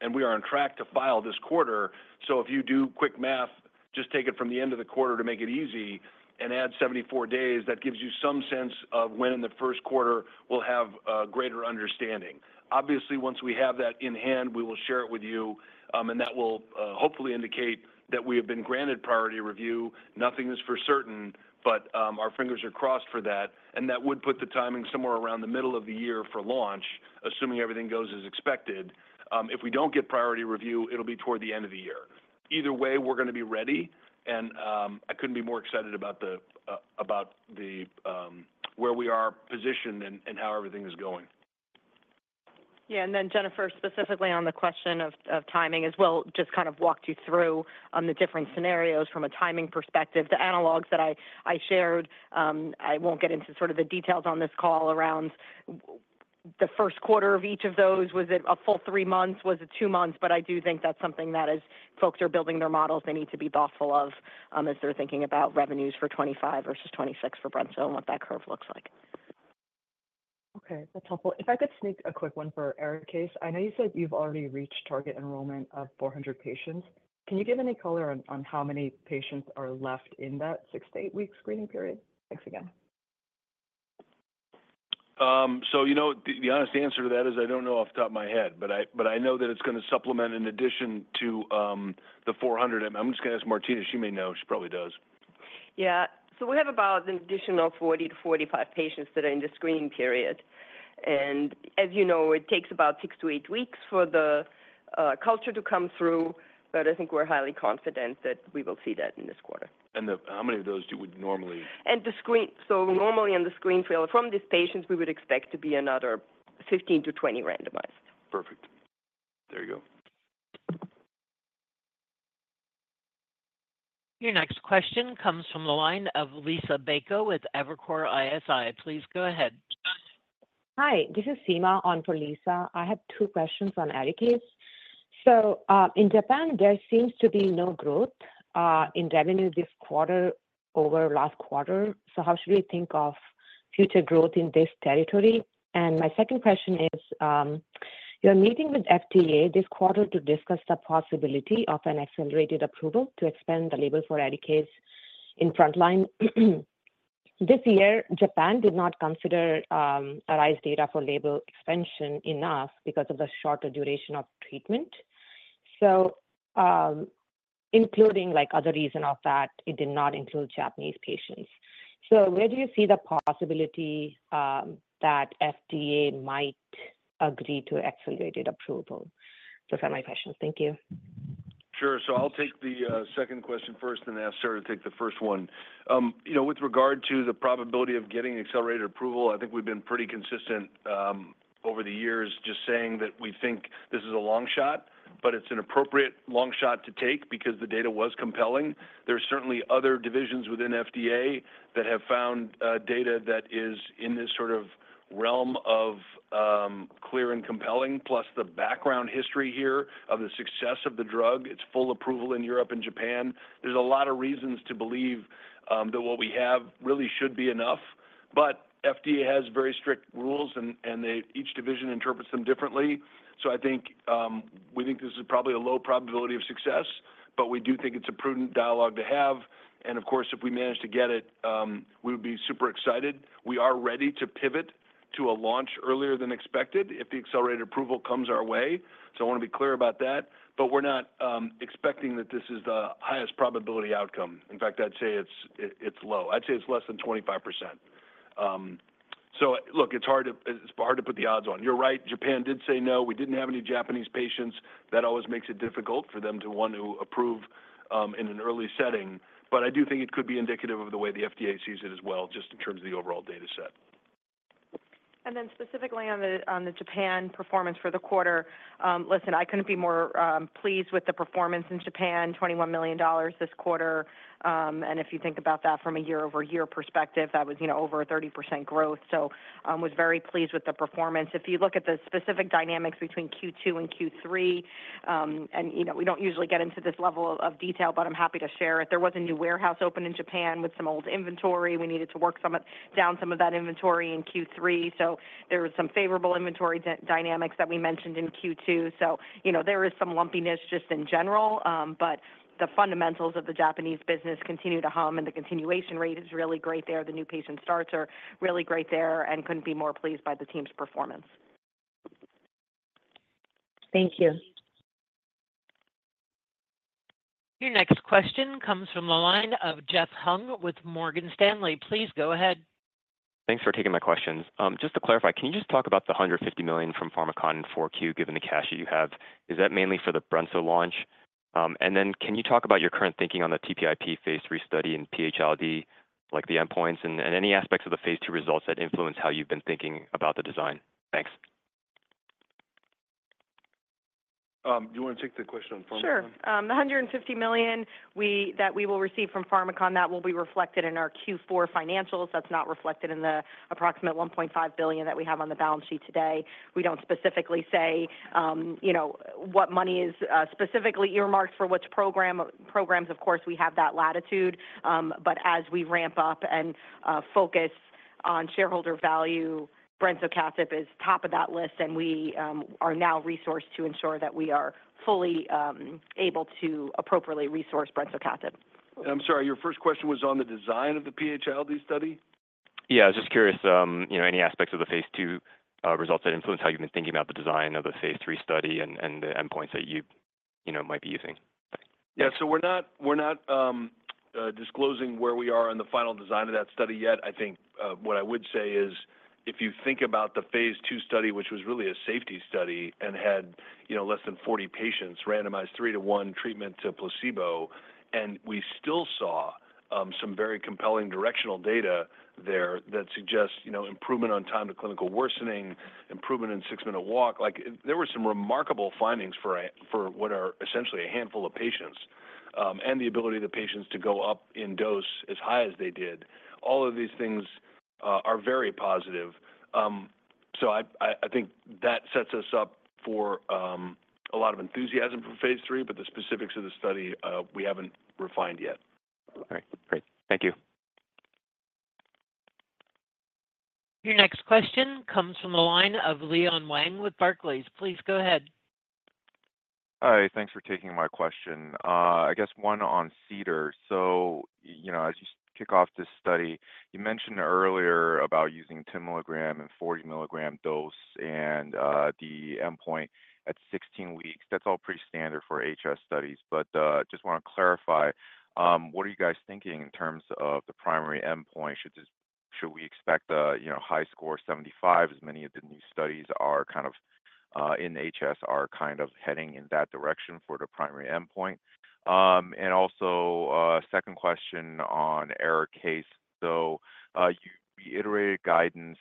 and we are on track to file this quarter. If you do quick math, just take it from the end of the quarter to make it easy and add 74 days, that gives you some sense of when in the first quarter we'll have a greater understanding. Obviously, once we have that in hand, we will share it with you, and that will hopefully indicate that we have been granted priority review. Nothing is for certain, but our fingers are crossed for that, and that would put the timing somewhere around the middle of the year for launch, assuming everything goes as expected. If we don't get priority review, it'll be toward the end of the year. Either way, we're going to be ready, and I couldn't be more excited about where we are positioned and how everything is going. Yeah. And then Jennifer, specifically on the question of timing as well, just kind of walked you through the different scenarios from a timing perspective. The analogs that I shared, I won't get into sort of the details on this call around the first quarter of each of those. Was it a full three months? Was it two months, but I do think that's something that as folks are building their models, they need to be thoughtful of as they're thinking about revenues for 2025 versus 2026 for Brensocatib and what that curve looks like. Okay. That's helpful. If I could sneak a quick one for Arikayce. I know you said you've already reached target enrollment of 400 patients. Can you give any color on how many patients are left in that six- to eight-week screening period? Thanks again. So the honest answer to that is I don't know off the top of my head, but I know that it's going to supplement in addition to the 400. I'm just going to ask Martina. She may know. She probably does. Yeah, so we have about an additional 40 to 45 patients that are in the screening period. And as you know, it takes about six to eight weeks for the culture to come through, but I think we're highly confident that we will see that in this quarter. How many of those would normally? And so normally in the screening failures from these patients, we would expect to be another 15 to 20 randomized. Perfect. There you go. Your next question comes from the line of Lisa Bayko with Evercore ISI. Please go ahead. Hi. This is Seema on for Lisa. I have two questions on Arikayce. So in Japan, there seems to be no growth in revenue this quarter over last quarter. So how should we think of future growth in this territory? And my second question is, you're meeting with FDA this quarter to discuss the possibility of an accelerated approval to expand the label for Arikayce in frontline. This year, Japan did not consider ARISE data for label expansion enough because of the shorter duration of treatment, including other reasons of that. It did not include Japanese patients. So where do you see the possibility that FDA might agree to accelerated approval? Those are my questions. Thank you. Sure. So I'll take the second question first and ask Sara to take the first one. With regard to the probability of getting accelerated approval, I think we've been pretty consistent over the years just saying that we think this is a long shot, but it's an appropriate long shot to take because the data was compelling. There are certainly other divisions within FDA that have found data that is in this sort of realm of clear and compelling, plus the background history here of the success of the drug. It's full approval in Europe and Japan. There's a lot of reasons to believe that what we have really should be enough, but FDA has very strict rules, and each division interprets them differently. So I think we think this is probably a low probability of success, but we do think it's a prudent dialogue to have. And of course, if we manage to get it, we would be super excited. We are ready to pivot to a launch earlier than expected if the accelerated approval comes our way. So I want to be clear about that, but we're not expecting that this is the highest probability outcome. In fact, I'd say it's low. I'd say it's less than 25%. So look, it's hard to put the odds on. You're right. Japan did say no. We didn't have any Japanese patients. That always makes it difficult for them to want to approve in an early setting. But I do think it could be indicative of the way the FDA sees it as well, just in terms of the overall data set. And then, specifically on the Japan performance for the quarter, listen, I couldn't be more pleased with the performance in Japan, $21 million this quarter. And if you think about that from a year-over-year perspective, that was over a 30% growth. So I was very pleased with the performance. If you look at the specific dynamics between Q2 and Q3, and we don't usually get into this level of detail, but I'm happy to share it. There was a new warehouse open in Japan with some old inventory. We needed to work down some of that inventory in Q3. So there were some favorable inventory dynamics that we mentioned in Q2. So there is some lumpiness just in general, but the fundamentals of the Japanese business continue to hum, and the continuation rate is really great there. The new patient starts are really great there and couldn't be more pleased by the team's performance. Thank you. Your next question comes from the line of Jeff Hung with Morgan Stanley. Please go ahead. Thanks for taking my questions. Just to clarify, can you just talk about the $150 million from Pharmakon and 4Q given the cash that you have? Is that mainly for the brensocatib launch? And then can you talk about your current thinking on the TPIP phase 3 study and PH-ILD, like the endpoints and any aspects of the phase 2 results that influence how you've been thinking about the design? Thanks. Do you want to take the question on Pharmakon? Sure. The $150 million that we will receive from Pharmakon, that will be reflected in our Q4 financials. That's not reflected in the approximate $1.5 billion that we have on the balance sheet today. We don't specifically say what money is specifically earmarked for which programs. Of course, we have that latitude, but as we ramp up and focus on shareholder value, Brensocatib is top of that list, and we are now resourced to ensure that we are fully able to appropriately resource Brensocatib. I'm sorry, your first question was on the design of the PH-ILD study? Yeah. I was just curious, any aspects of the phase two results that influence how you've been thinking about the design of the phase three study and the endpoints that you might be using? Yeah. So we're not disclosing where we are on the final design of that study yet. I think what I would say is if you think about the phase 2 study, which was really a safety study and had less than 40 patients, randomized three to one treatment to placebo, and we still saw some very compelling directional data there that suggest improvement on time to clinical worsening, improvement in six-minute walk. There were some remarkable findings for what are essentially a handful of patients and the ability of the patients to go up in dose as high as they did. All of these things are very positive. So I think that sets us up for a lot of enthusiasm for phase 3, but the specifics of the study, we haven't refined yet. All right. Great. Thank you. Your next question comes from the line of Leon Wang with Barclays. Please go ahead. Hi. Thanks for taking my question. I guess one on Cedar. So as you kick off this study, you mentioned earlier about using 10 milligram and 40 milligram dose and the endpoint at 16 weeks. That's all pretty standard for HS studies, but just want to clarify, what are you guys thinking in terms of the primary endpoint? Should we expect a HiSCR75 as many of the new studies are kind of in HS are kind of heading in that direction for the primary endpoint? And also second question on Arikayce. So you reiterated guidance,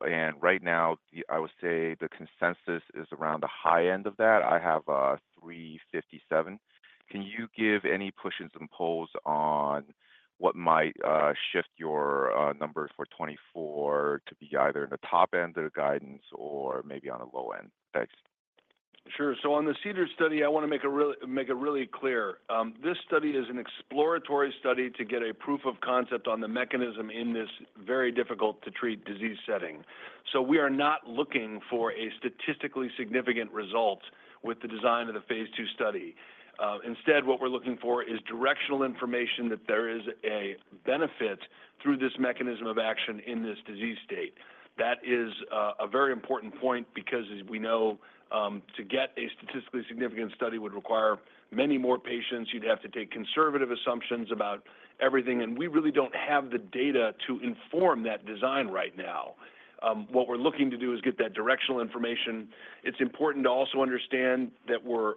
and right now, I would say the consensus is around the high end of that. I have 357. Can you give any pushes and pulls on what might shift your number for 2024 to be either in the top end of the guidance or maybe on the low end? Thanks. Sure. So on the Cedar study, I want to make it really clear. This study is an exploratory study to get a proof of concept on the mechanism in this very difficult-to-treat disease setting. We are not looking for a statistically significant result with the design of the phase 2 study. Instead, what we're looking for is directional information that there is a benefit through this mechanism of action in this disease state. That is a very important point because as we know, to get a statistically significant study would require many more patients. You'd have to take conservative assumptions about everything, and we really don't have the data to inform that design right now. What we're looking to do is get that directional information. It's important to also understand that we're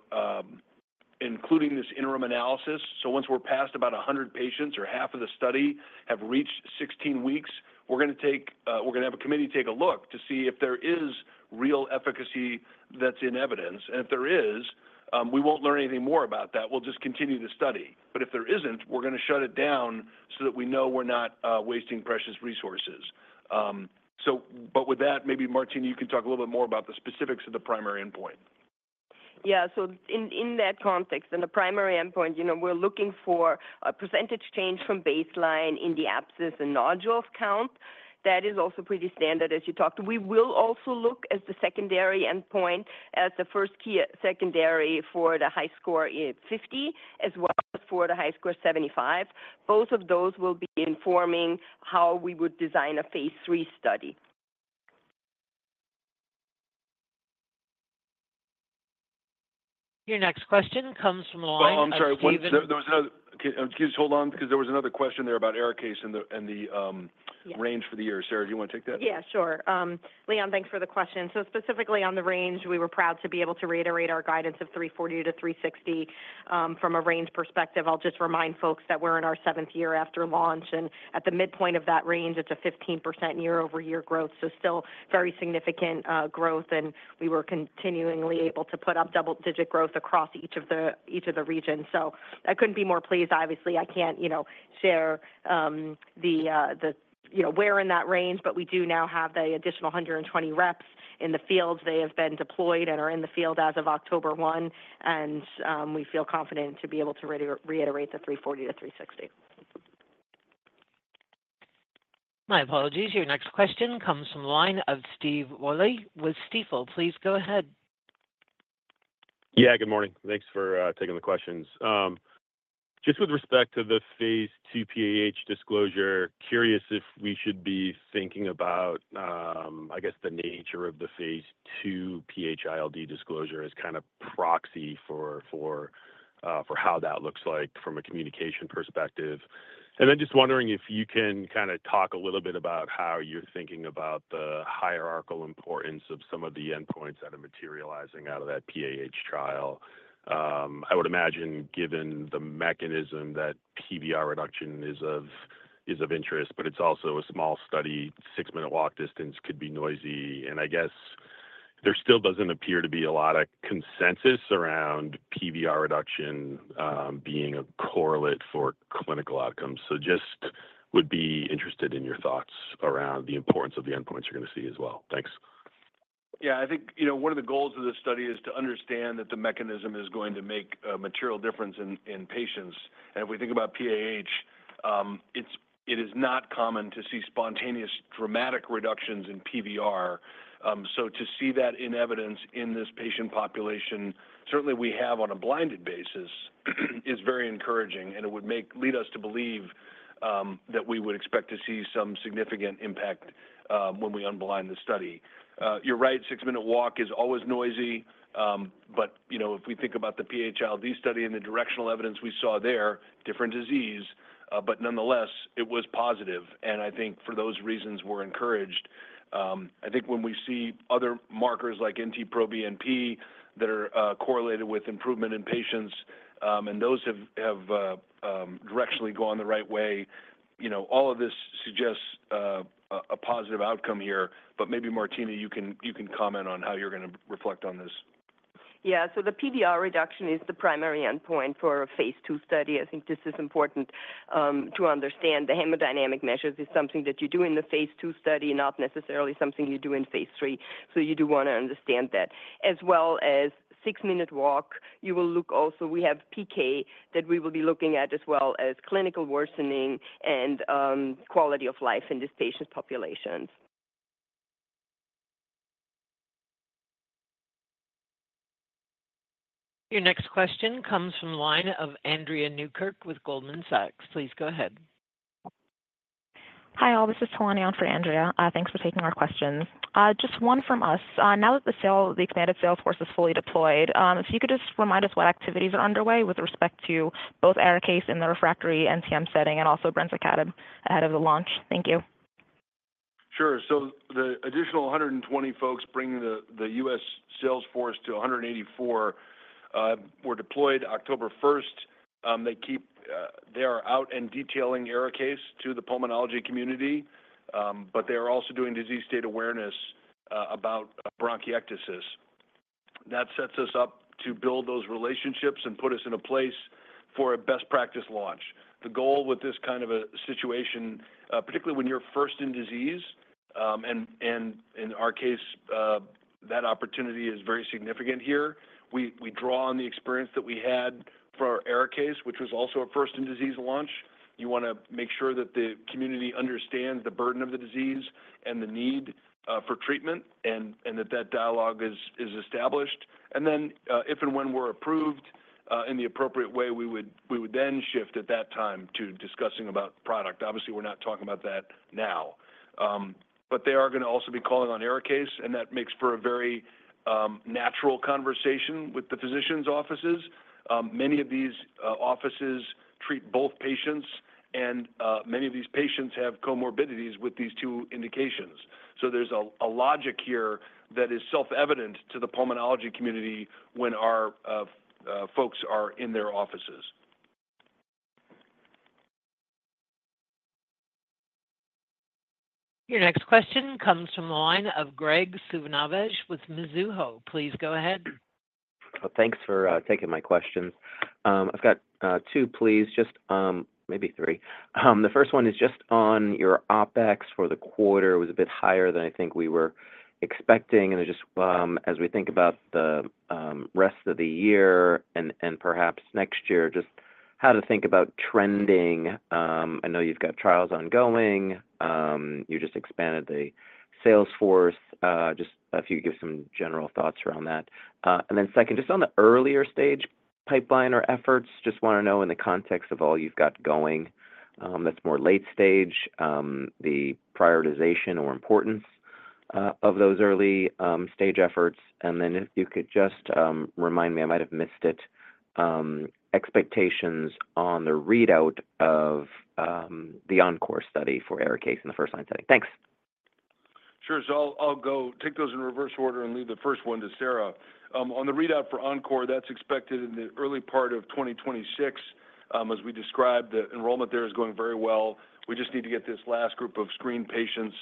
including this interim analysis. So once we're past about 100 patients or half of the study have reached 16 weeks, we're going to have a committee take a look to see if there is real efficacy that's in evidence. And if there is, we won't learn anything more about that. We'll just continue the study. But if there isn't, we're going to shut it down so that we know we're not wasting precious resources. But with that, maybe Martina, you can talk a little bit more about the specifics of the primary endpoint. Yeah. So in that context, in the primary endpoint, we're looking for a percentage change from baseline in the abscess and nodules count. That is also pretty standard as you talked. We will also look at the secondary endpoint as the first key secondary for the HiSCR50 as well as for the HiSCR75. Both of those will be informing how we would design a phase 3 study. Your next question comes from the line of Stephen. Oh, I'm sorry. There was another, excuse me. Hold on because there was another question there about Arikayce and the range for the year. Sara, do you want to take that? Yeah. Sure. Leon, thanks for the question. So specifically on the range, we were proud to be able to reiterate our guidance of 340 to 360 from a range perspective. I'll just remind folks that we're in our seventh year after launch, and at the midpoint of that range, it's a 15% year-over-year growth. So still very significant growth, and we were continually able to put up double-digit growth across each of the regions. So I couldn't be more pleased. Obviously, I can't share the where in that range, but we do now have the additional 120 reps in the field. They have been deployed and are in the field as of October 1, and we feel confident to be able to reiterate the 340 to 360. My apologies. Your next question comes from the line of Stephen Willey with Stifel. Please go ahead. Yeah. Good morning. Thanks for taking the questions. Just with respect to the phase 2 PAH disclosure, curious if we should be thinking about, I guess, the nature of the phase 2 PH-ILD disclosure as kind of proxy for how that looks like from a communication perspective. And then just wondering if you can kind of talk a little bit about how you're thinking about the hierarchical importance of some of the endpoints that are materializing out of that PAH trial. I would imagine given the mechanism that PVR reduction is of interest, but it's also a small study. Six-minute walk distance could be noisy. And I guess there still doesn't appear to be a lot of consensus around PVR reduction being a correlate for clinical outcomes. So just would be interested in your thoughts around the importance of the endpoints you're going to see as well. Thanks. Yeah. I think one of the goals of this study is to understand that the mechanism is going to make a material difference in patients. And if we think about PAH, it is not common to see spontaneous dramatic reductions in PVR. So to see that in evidence in this patient population, certainly we have on a blinded basis, is very encouraging, and it would lead us to believe that we would expect to see some significant impact when we unblind the study. You're right. Six-minute walk is always noisy, but if we think about the PH-ILD study and the directional evidence we saw there, different disease, but nonetheless, it was positive. And I think for those reasons, we're encouraged. I think when we see other markers like NT-proBNP that are correlated with improvement in patients, and those have directionally gone the right way, all of this suggests a positive outcome here. But maybe Martina, you can comment on how you're going to reflect on this. Yeah. So the PVR reduction is the primary endpoint for a phase 2 study. I think this is important to understand. The hemodynamic measures is something that you do in the phase 2 study, not necessarily something you do in phase 3. So you do want to understand that. As well as six-minute walk, you will look also we have PK that we will be looking at as well as clinical worsening and quality of life in these patient populations. Your next question comes from the line of Andrea Tan with Goldman Sachs. Please go ahead. Hi, all. This is Tiana for Andrea. Thanks for taking our questions. Just one from us. Now that the expanded sales force is fully deployed, if you could just remind us what activities are underway with respect to both Arikayce in the refractory NTM setting and also Brensocatib ahead of the launch. Thank you. Sure. So the additional 120 folks bringing the US sales force to 184 were deployed October 1st. They are out and detailing Arikayce to the pulmonology community, but they are also doing disease state awareness about bronchiectasis. That sets us up to build those relationships and put us in a place for a best practice launch. The goal with this kind of a situation, particularly when you're first in disease, and in our case, that opportunity is very significant here. We draw on the experience that we had for Arikayce, which was also a first-in-disease launch. You want to make sure that the community understands the burden of the disease and the need for treatment and that that dialogue is established. And then if and when we're approved in the appropriate way, we would then shift at that time to discussing about product. Obviously, we're not talking about that now. But they are going to also be calling on Arikayce, and that makes for a very natural conversation with the physicians' offices. Many of these offices treat both patients, and many of these patients have comorbidities with these two indications. So there's a logic here that is self-evident to the pulmonology community when our folks are in their offices. Your next question comes from the line of Graig Suvannavejh with Mizuho. Please go ahead. Thanks for taking my questions. I've got two, please, just maybe three. The first one is just on your OpEx for the quarter. It was a bit higher than I think we were expecting. And just as we think about the rest of the year and perhaps next year, just how to think about trending. I know you've got trials ongoing. You just expanded the sales force. Just if you could give some general thoughts around that. And then second, just on the earlier stage pipeline or efforts, just want to know in the context of all you've got going that's more late stage, the prioritization or importance of those early stage efforts. And then if you could just remind me, I might have missed it, expectations on the readout of the Encore study for Arikayce in the first-line setting. Thanks. Sure. So I'll take those in reverse order and leave the first one to Sara. On the readout for Encore, that's expected in the early part of 2026. As we described, the enrollment there is going very well. We just need to get this last group of screen patients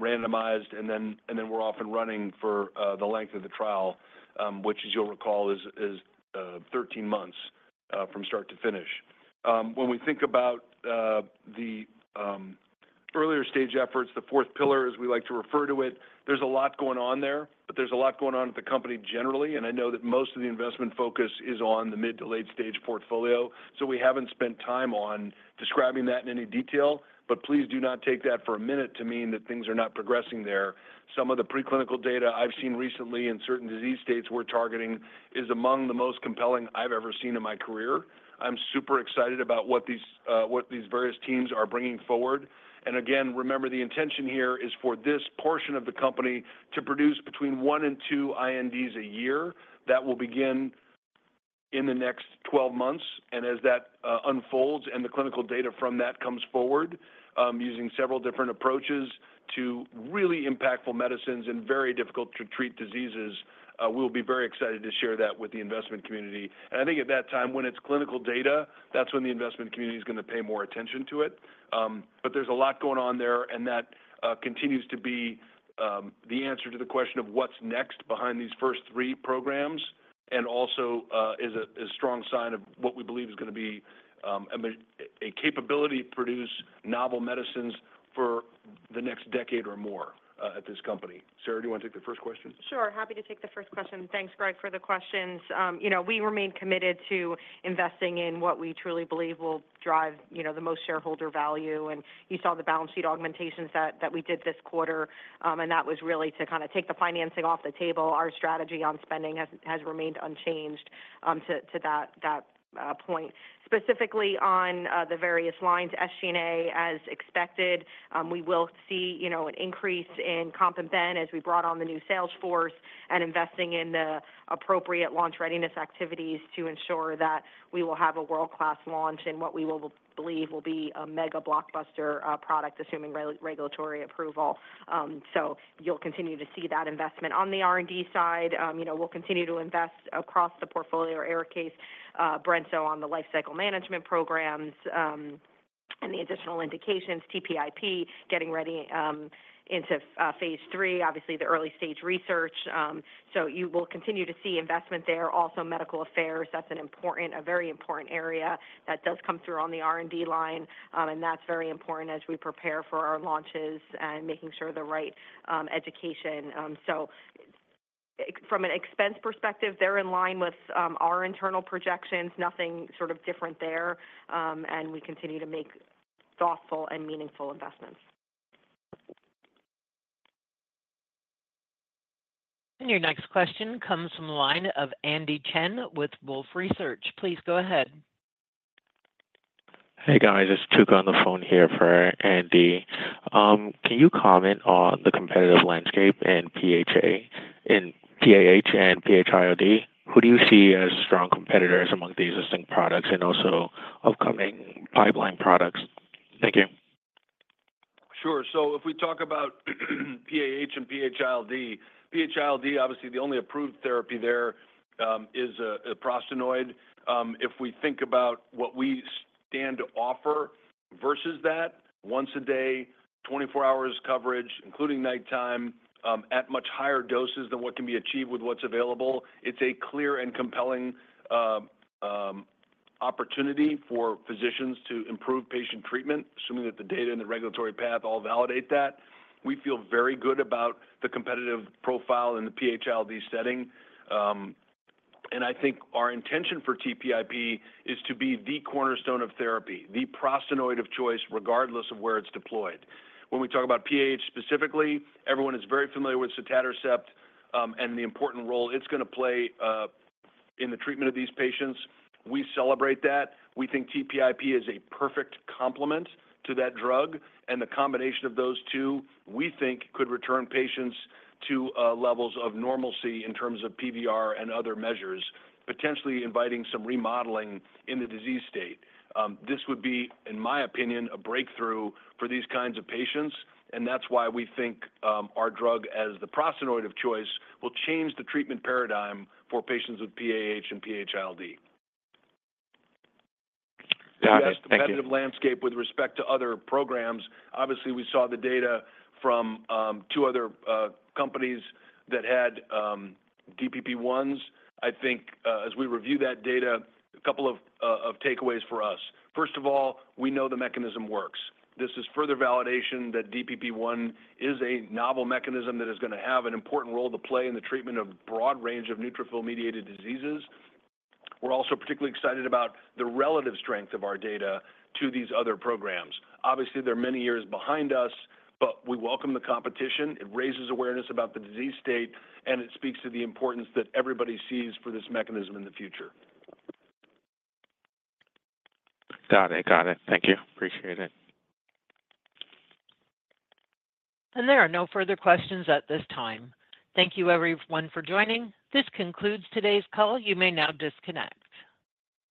randomized, and then we're off and running for the length of the trial, which, as you'll recall, is 13 months from start to finish. When we think about the earlier stage efforts, the fourth pillar, as we like to refer to it, there's a lot going on there, but there's a lot going on at the company generally. And I know that most of the investment focus is on the mid to late stage portfolio. So we haven't spent time on describing that in any detail, but please do not take that for a minute to mean that things are not progressing there. Some of the preclinical data I've seen recently in certain disease states we're targeting is among the most compelling I've ever seen in my career. I'm super excited about what these various teams are bringing forward. And again, remember, the intention here is for this portion of the company to produce between one and two INDs a year. That will begin in the next 12 months. And as that unfolds and the clinical data from that comes forward using several different approaches to really impactful medicines and very difficult-to-treat diseases, we will be very excited to share that with the investment community. And I think at that time, when it's clinical data, that's when the investment community is going to pay more attention to it. But there's a lot going on there, and that continues to be the answer to the question of what's next behind these first three programs and also is a strong sign of what we believe is going to be a capability to produce novel medicines for the next decade or more at this company. Sara, do you want to take the first question? Sure. Happy to take the first question. Thanks, Greg, for the questions. We remain committed to investing in what we truly believe will drive the most shareholder value, and you saw the balance sheet augmentations that we did this quarter, and that was really to kind of take the financing off the table. Our strategy on spending has remained unchanged to that point. Specifically on the various lines, SG&A, as expected, we will see an increase in comp and benefits as we brought on the new sales force and investing in the appropriate launch readiness activities to ensure that we will have a world-class launch and what we will believe will be a mega blockbuster product, assuming regulatory approval, so you'll continue to see that investment. On the R&D side, we'll continue to invest across the portfolio. Arikayce, Brensocatib on the lifecycle management programs and the additional indications, TPIP, getting ready into phase three, obviously the early stage research. So you will continue to see investment there. Also, medical affairs, that's a very important area that does come through on the R&D line, and that's very important as we prepare for our launches and making sure the right education. So from an expense perspective, they're in line with our internal projections, nothing sort of different there, and we continue to make thoughtful and meaningful investments. Your next question comes from the line of Andy Chen with Wolfe Research. Please go ahead. Hey, guys. It's Tuka on the phone here for Andy. Can you comment on the competitive landscape in PAH and PH-ILD? Who do you see as strong competitors among the existing products and also upcoming pipeline products? Thank you. Sure. So if we talk about PAH and PH-ILD, PH-ILD, obviously, the only approved therapy there is a prostacyclin. If we think about what we stand to offer versus that, once a day, 24-hour coverage, including nighttime, at much higher doses than what can be achieved with what's available, it is a clear and compelling opportunity for physicians to improve patient treatment, assuming that the data and the regulatory path all validate that. We feel very good about the competitive profile in the PH-ILD setting. And I think our intention for TPIP is to be the cornerstone of therapy, the prostacyclin of choice, regardless of where it is deployed. When we talk about PAH specifically, everyone is very familiar with sotatercept and the important role it is going to play in the treatment of these patients. We celebrate that. We think TPIP is a perfect complement to that drug. And the combination of those two, we think, could return patients to levels of normalcy in terms of PVR and other measures, potentially inviting some remodeling in the disease state. This would be, in my opinion, a breakthrough for these kinds of patients. And that's why we think our drug as the prostacyclin of choice will change the treatment paradigm for patients with PAH and PH-ILD. Yeah. Yeah. Thank you. Competitive landscape with respect to other programs. Obviously, we saw the data from two other companies that had DPP-1s. I think as we review that data, a couple of takeaways for us. First of all, we know the mechanism works. This is further validation that DPP-1 is a novel mechanism that is going to have an important role to play in the treatment of a broad range of neutrophil-mediated diseases. We're also particularly excited about the relative strength of our data to these other programs. Obviously, they're many years behind us, but we welcome the competition. It raises awareness about the disease state, and it speaks to the importance that everybody sees for this mechanism in the future. Got it. Got it. Thank you. Appreciate it. And there are no further questions at this time. Thank you, everyone, for joining. This concludes today's call. You may now disconnect.